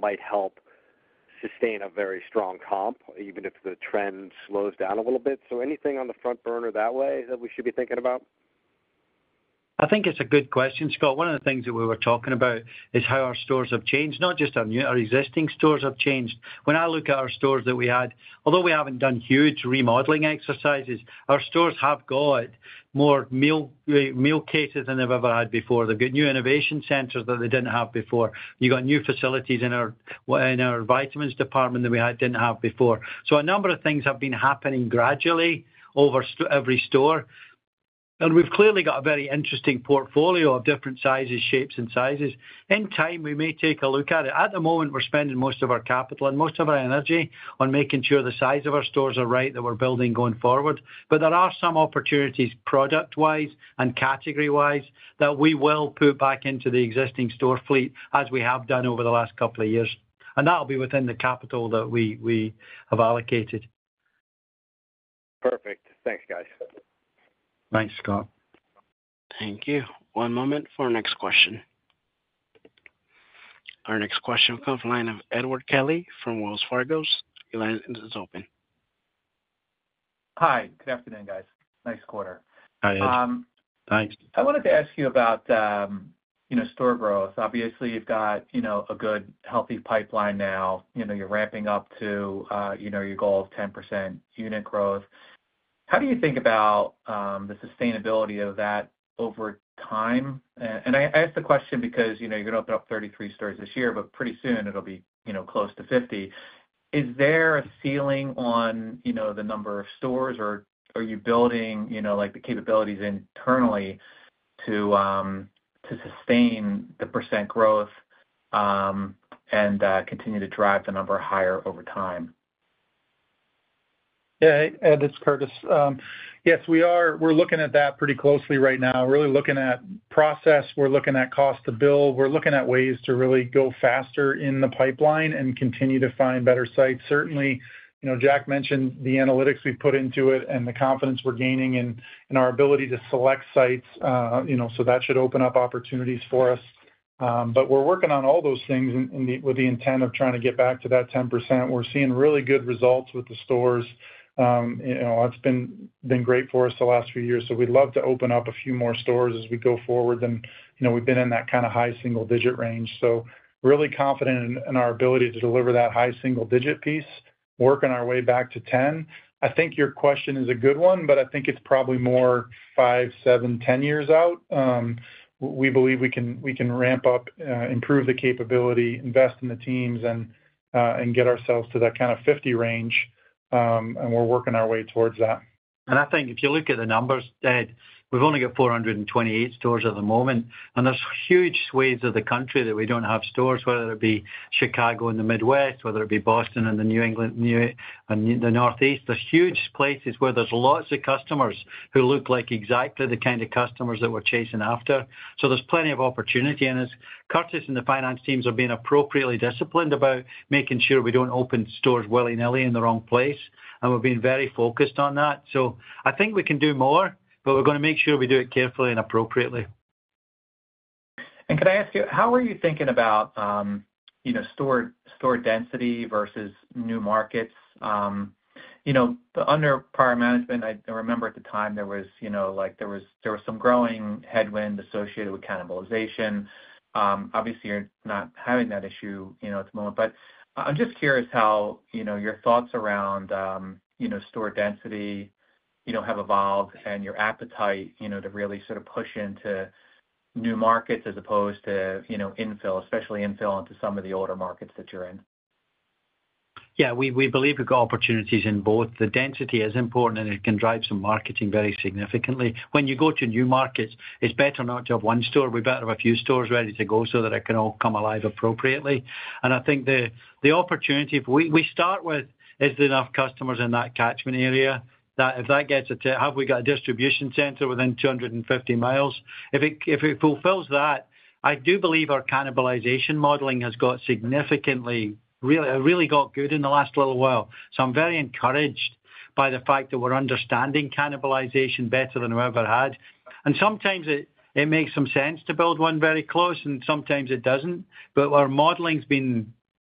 might help sustain a very strong comp, even if the trend slows down a little bit. So anything on the front burner that way that we should be thinking about?
I think it's a good question, Scott. One of the things that we were talking about is how our stores have changed, not just our existing stores have changed. When I look at our stores that we had, although we haven't done huge remodeling exercises, our stores have got more meal cases than they've ever had before. They've got new innovation centers that they didn't have before. You got new facilities in our vitamins department that we didn't have before. So a number of things have been happening gradually over every store. And we've clearly got a very interesting portfolio of different sizes, shapes, and sizes. In time, we may take a look at it. At the moment, we're spending most of our capital and most of our energy on making sure the size of our stores are right that we're building going forward. But there are some opportunities product-wise and category-wise that we will put back into the existing store fleet as we have done over the last couple of years. And that'll be within the capital that we have allocated.
Perfect. Thanks, guys.
Thanks, Scott.
Thank you. One moment for our next question. Our next question will come from Edward Kelly from Wells Fargo. Your line is open.
Hi. Good afternoon, guys. Nice quarter.
Hi.
Thanks.
I wanted to ask you about store growth. Obviously, you've got a good healthy pipeline now. You're ramping up to your goal of 10% unit growth. How do you think about the sustainability of that over time? And I ask the question because you're going to open up 33 stores this year, but pretty soon it'll be close to 50. Is there a ceiling on the number of stores, or are you building the capabilities internally to sustain the percent growth and continue to drive the number higher over time?
Yeah. And it's Curtis. Yes, we're looking at that pretty closely right now. We're really looking at process. We're looking at cost to build. We're looking at ways to really go faster in the pipeline and continue to find better sites. Certainly, Jack mentioned the analytics we've put into it and the confidence we're gaining in our ability to select sites. So that should open up opportunities for us. But we're working on all those things with the intent of trying to get back to that 10%. We're seeing really good results with the stores. It's been great for us the last few years. So we'd love to open up a few more stores as we go forward. And we've been in that kind of high single-digit range. So really confident in our ability to deliver that high single-digit piece, working our way back to 10%. I think your question is a good one, but I think it's probably more five, seven, 10 years out. We believe we can ramp up, improve the capability, invest in the teams, and get ourselves to that kind of 50 range, and we're working our way towards that.
I think if you look at the numbers, we've only got 428 stores at the moment. There's huge swathes of the country that we don't have stores, whether it be Chicago in the Midwest, whether it be Boston in the Northeast. There's huge places where there's lots of customers who look like exactly the kind of customers that we're chasing after. There's plenty of opportunity in us. Curtis and the finance teams have been appropriately disciplined about making sure we don't open stores willy-nilly in the wrong place. We've been very focused on that. I think we can do more, but we're going to make sure we do it carefully and appropriately.
Can I ask you, how are you thinking about store density versus new markets? Under prior management, I remember at the time there was some growing headwind associated with cannibalization. Obviously, you're not having that issue at the moment. I'm just curious how your thoughts around store density have evolved and your appetite to really sort of push into new markets as opposed to infill, especially infill into some of the older markets that you're in.
Yeah. We believe we've got opportunities in both. The density is important, and it can drive some marketing very significantly. When you go to new markets, it's better not to have one store. We better have a few stores ready to go so that it can all come alive appropriately. And I think the opportunity we start with is there enough customers in that catchment area that if that gets it to have we got a distribution center within 250 miles. If it fulfills that, I do believe our cannibalization modeling has got significantly really got good in the last little while. So I'm very encouraged by the fact that we're understanding cannibalization better than we ever had. And sometimes it makes some sense to build one very close, and sometimes it doesn't. But our modeling's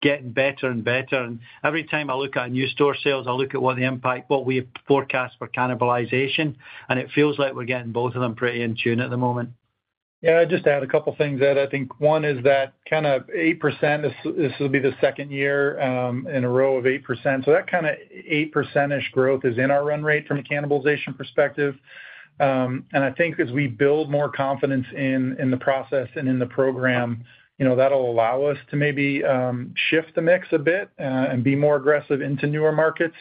been getting better and better. Every time I look at new store sales, I look at what the impact, what we forecast for cannibalization. It feels like we're getting both of them pretty in tune at the moment.
Yeah. I'd just add a couple of things there. I think one is that kind of 8%, this will be the second year in a row of 8%. So that kind of 8%-ish growth is in our run rate from a cannibalization perspective. And I think as we build more confidence in the process and in the program, that'll allow us to maybe shift the mix a bit and be more aggressive into newer markets.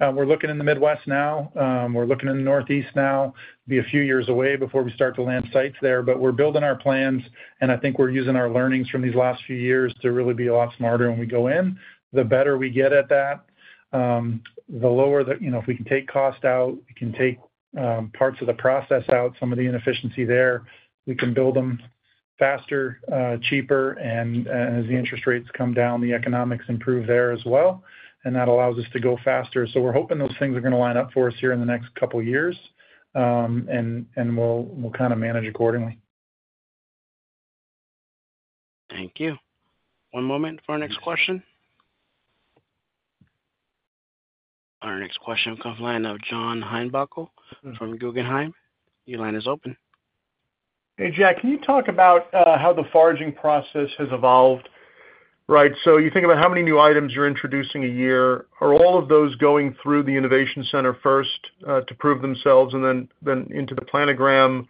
We're looking in the Midwest now. We're looking in the Northeast now. It'll be a few years away before we start to land sites there. But we're building our plans, and I think we're using our learnings from these last few years to really be a lot smarter when we go in. The better we get at that, the lower that if we can take cost out, we can take parts of the process out, some of the inefficiency there, we can build them faster, cheaper, and as the interest rates come down, the economics improve there as well, and that allows us to go faster, so we're hoping those things are going to line up for us here in the next couple of years, and we'll kind of manage accordingly.
Thank you. One moment for our next question. Our next question will come from the line of John Heinbockel from Guggenheim. Your line is open.
Hey, Jack. Can you talk about how the foraging process has evolved? Right. So you think about how many new items you're introducing a year. Are all of those going through the innovation center first to prove themselves and then into the planogram?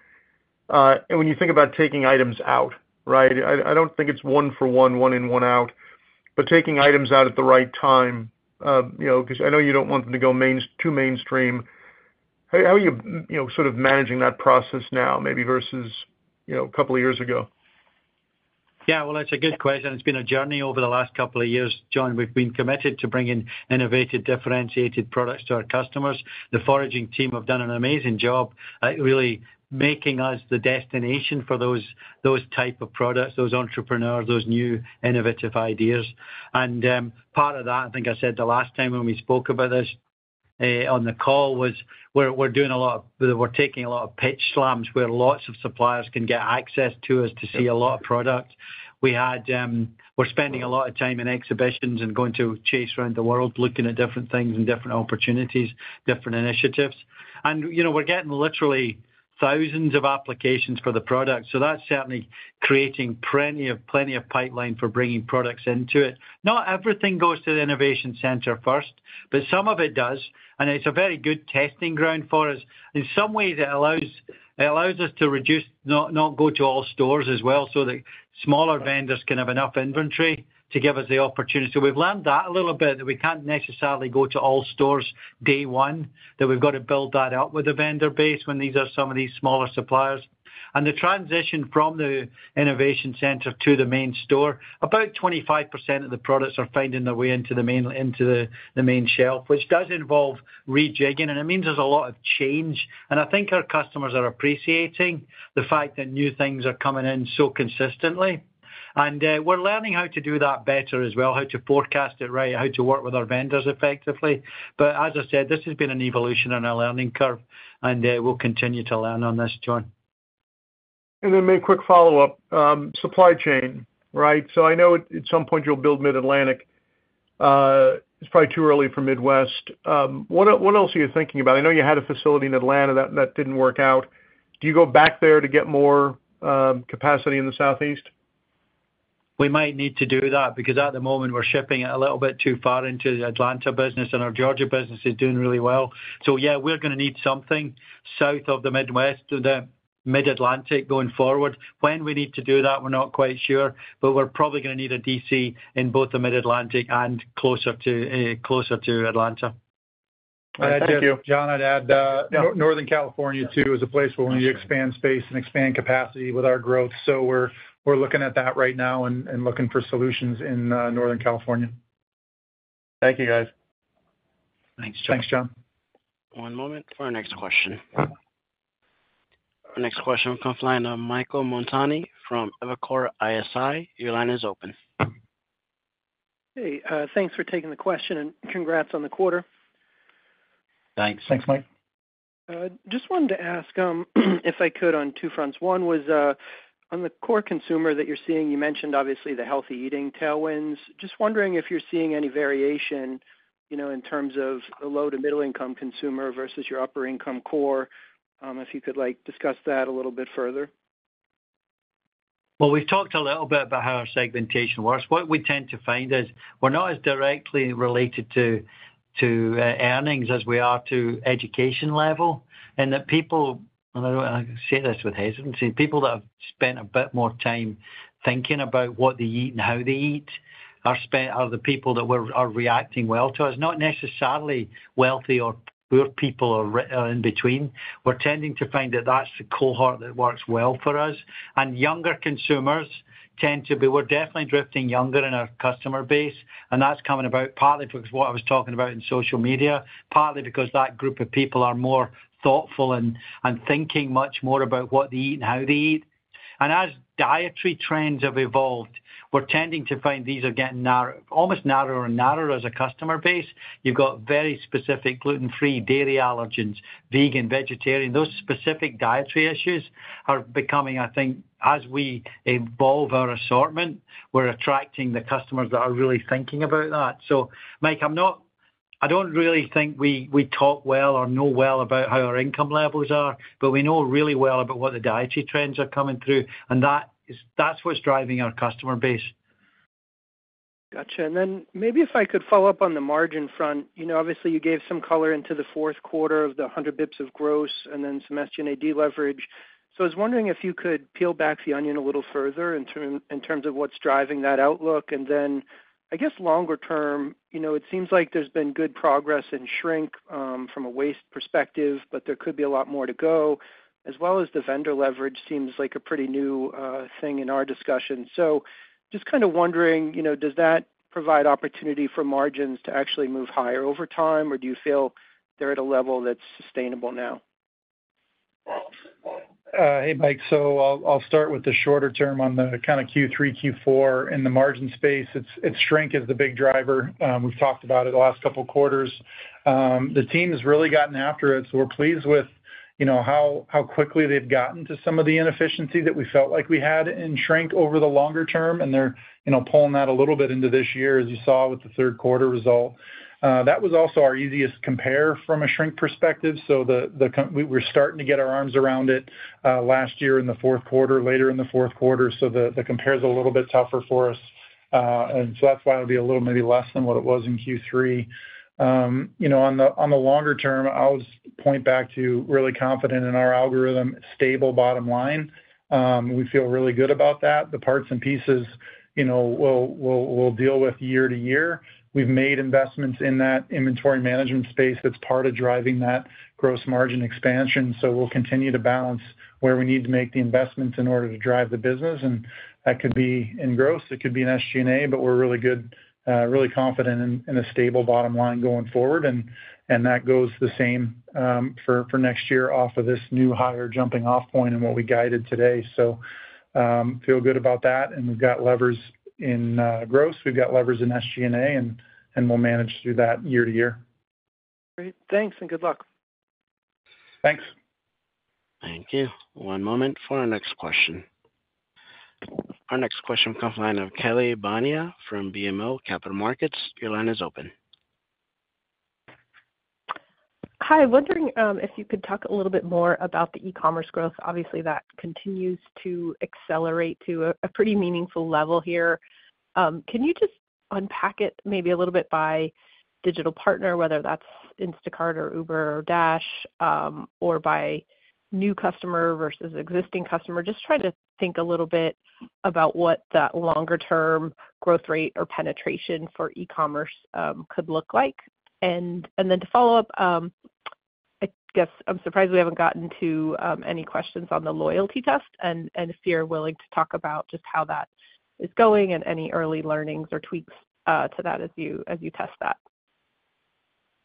And when you think about taking items out, right, I don't think it's one for one, one in, one out. But taking items out at the right time because I know you don't want them to go too mainstream. How are you sort of managing that process now, maybe versus a couple of years ago?
Yeah. Well, that's a good question. It's been a journey over the last couple of years. John, we've been committed to bringing innovative, differentiated products to our customers. The foraging team have done an amazing job at really making us the destination for those type of products, those entrepreneurs, those new innovative ideas. And part of that, I think I said the last time when we spoke about this on the call, was we're taking a lot of pitch slams where lots of suppliers can get access to us to see a lot of product. We're spending a lot of time in exhibitions and going to chase around the world looking at different things and different opportunities, different initiatives. And we're getting literally thousands of applications for the product. So that's certainly creating plenty of pipeline for bringing products into it. Not everything goes to the Innovation Center first, but some of it does. And it's a very good testing ground for us. In some ways, it allows us to reduce, not go to all stores as well, so that smaller vendors can have enough inventory to give us the opportunity. So we've learned that a little bit, that we can't necessarily go to all stores day one, that we've got to build that up with the vendor base when these are some of these smaller suppliers. And the transition from the Innovation Center to the main store, about 25% of the products are finding their way into the main shelf, which does involve rejigging. And it means there's a lot of change. And I think our customers are appreciating the fact that new things are coming in so consistently. And we're learning how to do that better as well, how to forecast it right, how to work with our vendors effectively. But as I said, this has been an evolution in our learning curve. And we'll continue to learn on this, John.
And then maybe quick follow-up, supply chain, right? So I know at some point you'll build Mid-Atlantic. It's probably too early for Midwest. What else are you thinking about? I know you had a facility in Atlanta that didn't work out. Do you go back there to get more capacity in the Southeast?
We might need to do that because at the moment, we're shipping a little bit too far into the Atlanta business, and our Georgia business is doing really well. So yeah, we're going to need something south of the Midwest, the Mid-Atlantic going forward. When we need to do that, we're not quite sure. But we're probably going to need a DC in both the Mid-Atlantic and closer to Atlanta.
Thank you. John, I'd add Northern California too is a place where we need to expand space and expand capacity with our growth, so we're looking at that right now and looking for solutions in Northern California.
Thank you, guys.
Thanks, John.
Thanks, John. One moment for our next question. Our next question will come from Michael Montani from Evercore ISI. Your line is open.
Hey. Thanks for taking the question, and congrats on the quarter.
Thanks.
Thanks, Mike.
Just wanted to ask if I could on two fronts. One was on the core consumer that you're seeing, you mentioned obviously the healthy eating tailwinds. Just wondering if you're seeing any variation in terms of the low to middle-income consumer versus your upper-income core, if you could discuss that a little bit further.
We've talked a little bit about how our segmentation works. What we tend to find is we're not as directly related to earnings as we are to education level. And that people, and I say this with hesitancy, people that have spent a bit more time thinking about what they eat and how they eat are the people that are reacting well to us, not necessarily wealthy or poor people or in between. We're tending to find that that's the cohort that works well for us. And younger consumers tend to be we're definitely drifting younger in our customer base. And that's coming about partly because what I was talking about in social media, partly because that group of people are more thoughtful and thinking much more about what they eat and how they eat. As dietary trends have evolved, we're tending to find these are getting almost narrower and narrower as a customer base. You've got very specific gluten-free dairy allergens, vegan, vegetarian. Those specific dietary issues are becoming, I think, as we evolve our assortment, we're attracting the customers that are really thinking about that. So Mike, I don't really think we talk well or know well about how our income levels are, but we know really well about what the dietary trends are coming through. And that's what's driving our customer base.
Gotcha. And then maybe if I could follow up on the margin front, obviously you gave some color into the fourth quarter of the 100 basis points of gross and then some SG&A leverage. So I was wondering if you could peel back the onion a little further in terms of what's driving that outlook. And then I guess longer term, it seems like there's been good progress in shrink from a waste perspective, but there could be a lot more to go, as well as the vendor leverage seems like a pretty new thing in our discussion. So just kind of wondering, does that provide opportunity for margins to actually move higher over time, or do you feel they're at a level that's sustainable now?
Hey, Mike. So I'll start with the shorter term on the kind of Q3, Q4 in the margin space. It's shrink is the big driver. We've talked about it the last couple of quarters. The team has really gotten after it. So we're pleased with how quickly they've gotten to some of the inefficiency that we felt like we had in shrink over the longer term. And they're pulling that a little bit into this year, as you saw with the third quarter result. That was also our easiest compare from a shrink perspective. So we're starting to get our arms around it last year in the fourth quarter, later in the fourth quarter. So the compare is a little bit tougher for us. And so that's why it'll be a little maybe less than what it was in Q3. On the longer term, I'll point back to really confident in our algorithm, stable bottom line. We feel really good about that. The parts and pieces we'll deal with year to year. We've made investments in that inventory management space that's part of driving that gross margin expansion. So we'll continue to balance where we need to make the investments in order to drive the business. And that could be in gross. It could be in SG&A, but we're really good, really confident in a stable bottom line going forward. And that goes the same for next year off of this new higher jumping-off point and what we guided today. So feel good about that. And we've got levers in gross. We've got levers in SG&A, and we'll manage through that year to year.
Great. Thanks and good luck.
Thanks.
Thank you. One moment for our next question. Our next question will come from Kelly Bania from BMO Capital Markets. Your line is open.
Hi. Wondering if you could talk a little bit more about the e-commerce growth? Obviously, that continues to accelerate to a pretty meaningful level here. Can you just unpack it maybe a little bit by digital partner, whether that's Instacart or Uber or Dash, or by new customer versus existing customer? Just trying to think a little bit about what that longer-term growth rate or penetration for e-commerce could look like. And then to follow up, I guess I'm surprised we haven't gotten to any questions on the loyalty test. And if you're willing to talk about just how that is going and any early learnings or tweaks to that as you test that?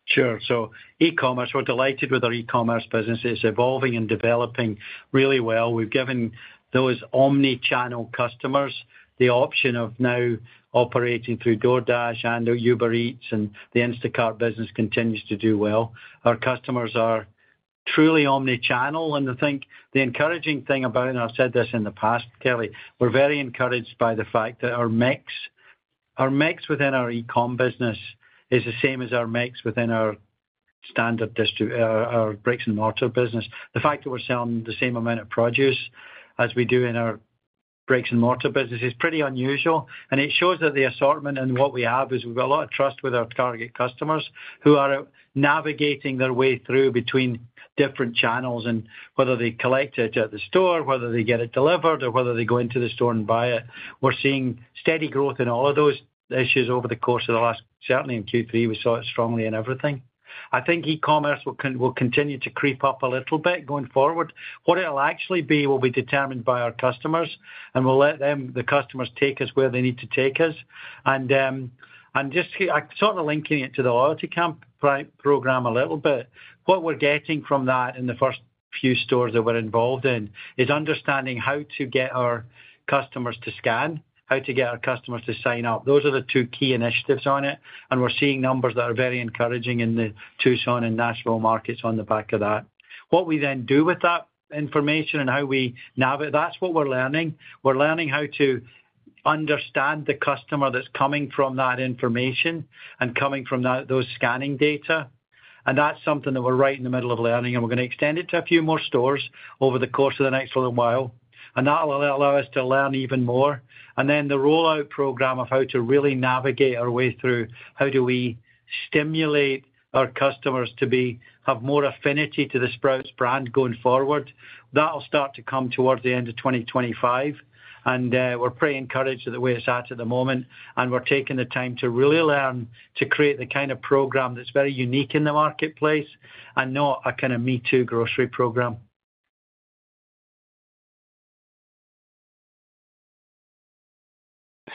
Sure. So e-commerce, we're delighted with our e-commerce business. It's evolving and developing really well. We've given those omnichannel customers the option of now operating through DoorDash and Uber Eats, and the Instacart business continues to do well. Our customers are truly omnichannel. And I think the encouraging thing about it, and I've said this in the past, Kelly, we're very encouraged by the fact that our mix within our e-com business is the same as our mix within our brick-and-mortar business. The fact that we're selling the same amount of produce as we do in our brick-and-mortar business is pretty unusual. It shows that the assortment and what we have is we've got a lot of trust with our target customers who are navigating their way through between different channels, and whether they collect it at the store, whether they get it delivered, or whether they go into the store and buy it. We're seeing steady growth in all of those issues over the course of the last. Certainly in Q3, we saw it strongly in everything. I think e-commerce will continue to creep up a little bit going forward. What it'll actually be will be determined by our customers. We'll let them, the customers, take us where they need to take us. Just sort of linking it to the loyalty program a little bit, what we're getting from that in the first few stores that we're involved in is understanding how to get our customers to scan, how to get our customers to sign up. Those are the two key initiatives on it. We're seeing numbers that are very encouraging in the Tucson and Nashville markets on the back of that. What we then do with that information and how we navigate, that's what we're learning. We're learning how to understand the customer that's coming from that information and coming from those scanning data. That's something that we're right in the middle of learning. We're going to extend it to a few more stores over the course of the next little while. That'll allow us to learn even more. And then the rollout program of how to really navigate our way through how do we stimulate our customers to have more affinity to the Sprouts brand going forward. That'll start to come towards the end of 2025. And we're pretty encouraged at the way it's at the moment. And we're taking the time to really learn to create the kind of program that's very unique in the marketplace and not a kind of me-too grocery program.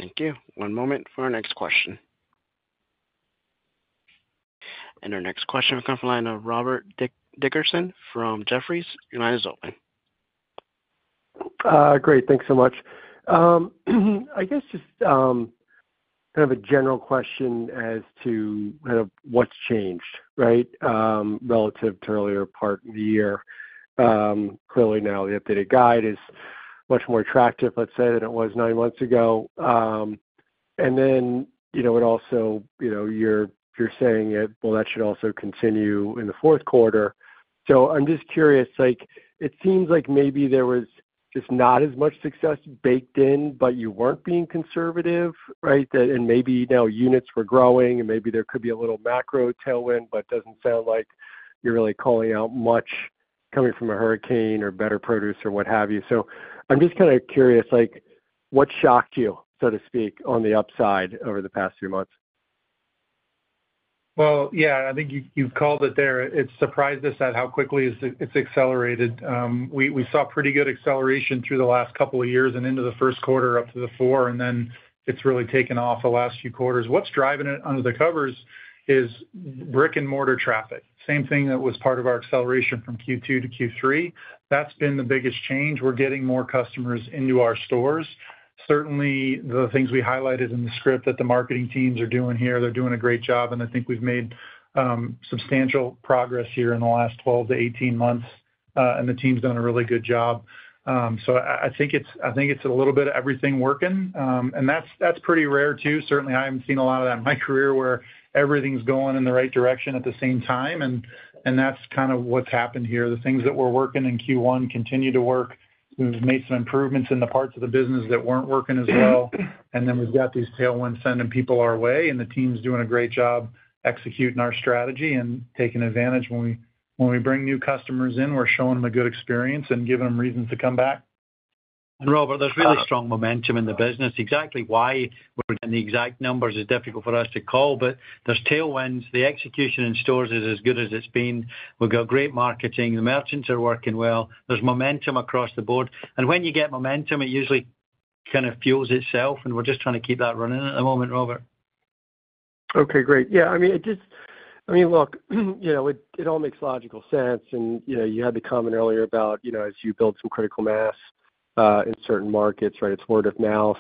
Thank you. One moment for our next question. And our next question will come from Robert Dickerson from Jefferies. Your line is open.
Great. Thanks so much. I guess just kind of a general question as to kind of what's changed, right, relative to earlier part of the year. Clearly now, the updated guide is much more attractive, let's say, than it was nine months ago. And then it also, you're saying it, well, that should also continue in the fourth quarter. So I'm just curious, it seems like maybe there was just not as much success baked in, but you weren't being conservative, right? And maybe now units were growing, and maybe there could be a little macro tailwind, but it doesn't sound like you're really calling out much coming from a hurricane or better produce or what have you. So I'm just kind of curious, what shocked you, so to speak, on the upside over the past few months?
Yeah, I think you've called it there. It surprised us at how quickly it's accelerated. We saw pretty good acceleration through the last couple of years and into the first quarter up to the four, and then it's really taken off the last few quarters. What's driving it under the covers is brick-and-mortar traffic. Same thing that was part of our acceleration from Q2 to Q3. That's been the biggest change. We're getting more customers into our stores. Certainly, the things we highlighted in the script that the marketing teams are doing here, they're doing a great job. And I think we've made substantial progress here in the last 12-18 months. And the team's done a really good job. So I think it's a little bit of everything working. And that's pretty rare too. Certainly, I haven't seen a lot of that in my career where everything's going in the right direction at the same time, and that's kind of what's happened here. The things that were working in Q1 continue to work. We've made some improvements in the parts of the business that weren't working as well, and then we've got these tailwinds sending people our way, and the team's doing a great job executing our strategy and taking advantage. When we bring new customers in, we're showing them a good experience and giving them reasons to come back.
Robert, there's really strong momentum in the business. Exactly why we're getting the exact numbers is difficult for us to call. But there's tailwinds. The execution in stores is as good as it's been. We've got great marketing. The merchants are working well. There's momentum across the board. And when you get momentum, it usually kind of fuels itself. And we're just trying to keep that running at the moment, Robert.
Okay. Great. Yeah. I mean, look, it all makes logical sense. And you had the comment earlier about as you build some critical mass in certain markets, right? It's word of mouth.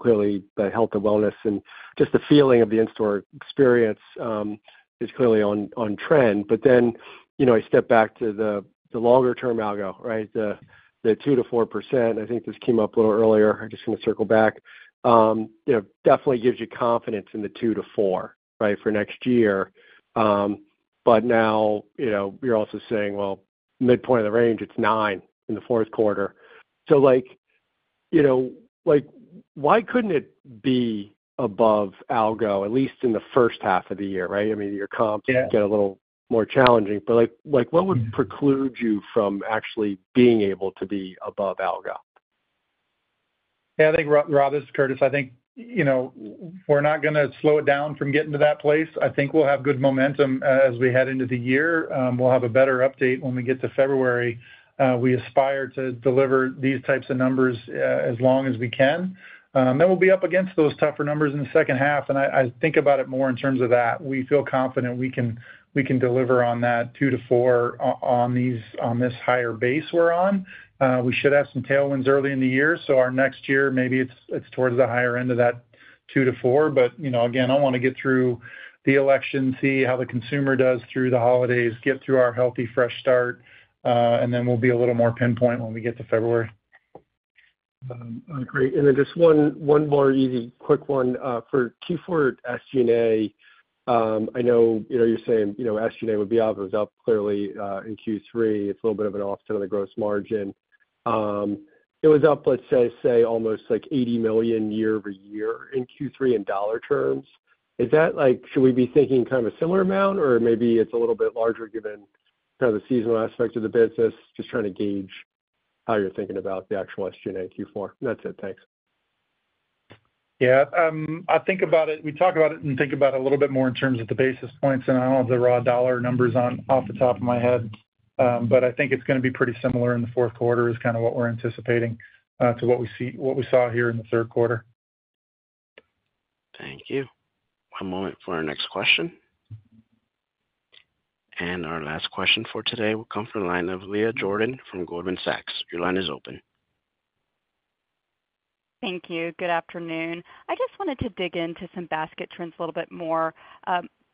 Clearly, the health and wellness and just the feeling of the in-store experience is clearly on trend. But then I step back to the longer-term algo, right? The 2%-4%, I think this came up a little earlier. I'm just going to circle back. Definitely gives you confidence in the 2%-4%, right, for next year. But now you're also saying, well, midpoint of the range, it's 9% in the fourth quarter. So why couldn't it be above algo, at least in the first half of the year, right? I mean, your comps get a little more challenging. But what would preclude you from actually being able to be above algo?
Yeah. I think, Rob, this is Curtis. I think we're not going to slow it down from getting to that place. I think we'll have good momentum as we head into the year. We'll have a better update when we get to February. We aspire to deliver these types of numbers as long as we can, and we'll be up against those tougher numbers in the second half, and I think about it more in terms of that. We feel confident we can deliver on that 2-4 on this higher base we're on. We should have some tailwinds early in the year, so our next year, maybe it's towards the higher end of that 2-4. But again, I want to get through the election, see how the consumer does through the holidays, get through our Healthy Fresh Start, and then we'll be a little more pinpoint when we get to February.
Great. And then just one more easy, quick one for Q4 at SG&A. I know you're saying SG&A would be up. It was up clearly in Q3. It's a little bit of an offset of the gross margin. It was up, let's say, almost like $80 million year over year in Q3 in dollar terms. Should we be thinking kind of a similar amount, or maybe it's a little bit larger given kind of the seasonal aspect of the business? Just trying to gauge how you're thinking about the actual SG&A Q4. That's it. Thanks.
Yeah. I think about it. We talk about it and think about it a little bit more in terms of the basis points, and I don't have the raw dollar numbers off the top of my head, but I think it's going to be pretty similar in the fourth quarter is kind of what we're anticipating to what we saw here in the third quarter.
Thank you. One moment for our next question. And our last question for today will come from Leah Jordan of Goldman Sachs. Your line is open.
Thank you. Good afternoon. I just wanted to dig into some basket trends a little bit more.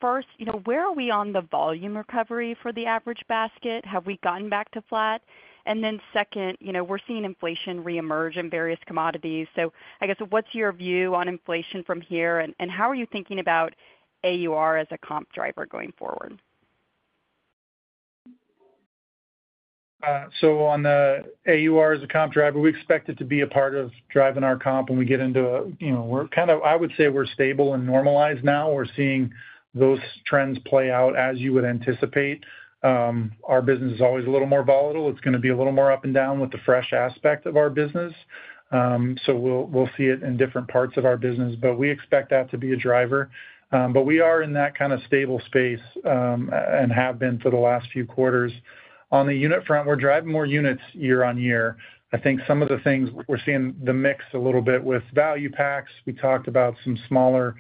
First, where are we on the volume recovery for the average basket? Have we gotten back to flat? And then second, we're seeing inflation reemerge in various commodities. So I guess what's your view on inflation from here, and how are you thinking about AUR as a comp driver going forward?
So on the AUR as a comp driver, we expect it to be a part of driving our comp when we get into a kind of, I would say we're stable and normalized now. We're seeing those trends play out as you would anticipate. Our business is always a little more volatile. It's going to be a little more up and down with the fresh aspect of our business. So we'll see it in different parts of our business. But we expect that to be a driver. But we are in that kind of stable space and have been for the last few quarters. On the unit front, we're driving more units year on year. I think some of the things we're seeing the mix a little bit with value packs. We talked about some smaller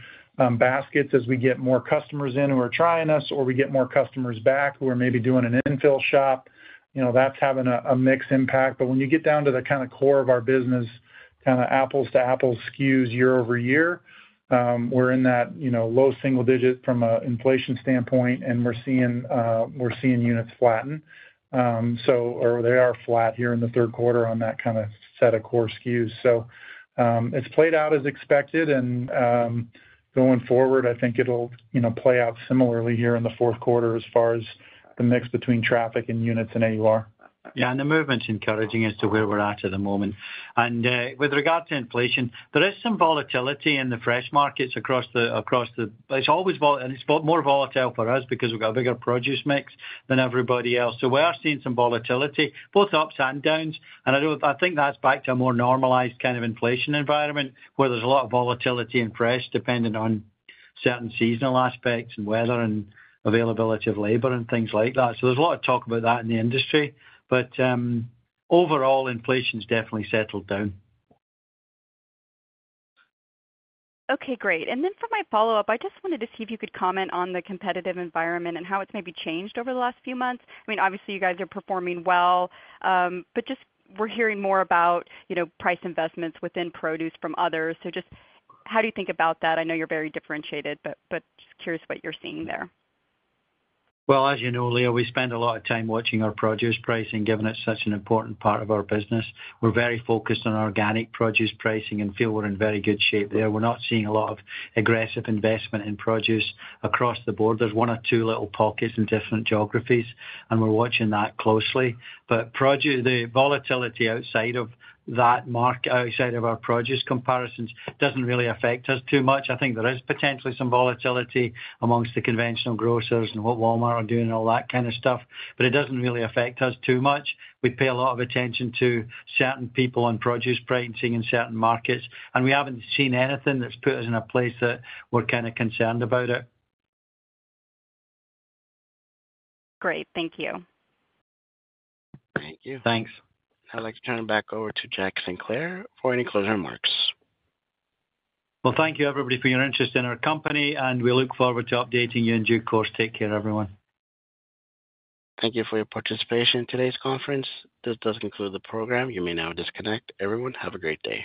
baskets as we get more customers in who are trying us, or we get more customers back who are maybe doing an infill shop. That's having a mixed impact. But when you get down to the kind of core of our business, kind of apples to apples SKUs year over year, we're in that low single digit from an inflation standpoint, and we're seeing units flatten. Or they are flat here in the third quarter on that kind of set of core SKUs. So it's played out as expected. And going forward, I think it'll play out similarly here in the fourth quarter as far as the mix between traffic and units and AUR.
Yeah. And the movement's encouraging as to where we're at at the moment. And with regard to inflation, there is some volatility in the fresh markets across the, it's more volatile for us because we've got a bigger produce mix than everybody else. So we are seeing some volatility, both ups and downs. And I think that's back to a more normalized kind of inflation environment where there's a lot of volatility in fresh depending on certain seasonal aspects and weather and availability of labor and things like that. So there's a lot of talk about that in the industry. But overall, inflation's definitely settled down.
Okay. Great. And then for my follow-up, I just wanted to see if you could comment on the competitive environment and how it's maybe changed over the last few months. I mean, obviously, you guys are performing well. But just we're hearing more about price investments within produce from others. So just how do you think about that? I know you're very differentiated, but just curious what you're seeing there.
As you know, Leah, we spend a lot of time watching our produce pricing, given it's such an important part of our business. We're very focused on organic produce pricing and feel we're in very good shape there. We're not seeing a lot of aggressive investment in produce across the board. There's one or two little pockets in different geographies, and we're watching that closely. But the volatility outside of that market, outside of our produce comparisons, doesn't really affect us too much. I think there is potentially some volatility amongst the conventional grocers and what Walmart are doing and all that kind of stuff. But it doesn't really affect us too much. We pay a lot of attention to certain people on produce pricing in certain markets. And we haven't seen anything that's put us in a place that we're kind of concerned about it.
Great. Thank you.
Thank you.
Thanks. Alex, turning back over to Jack Sinclair for any closing remarks.
Thank you, everybody, for your interest in our company. We look forward to updating you in due course. Take care, everyone.
Thank you for your participation in today's conference. This does conclude the program. You may now disconnect. Everyone, have a great day.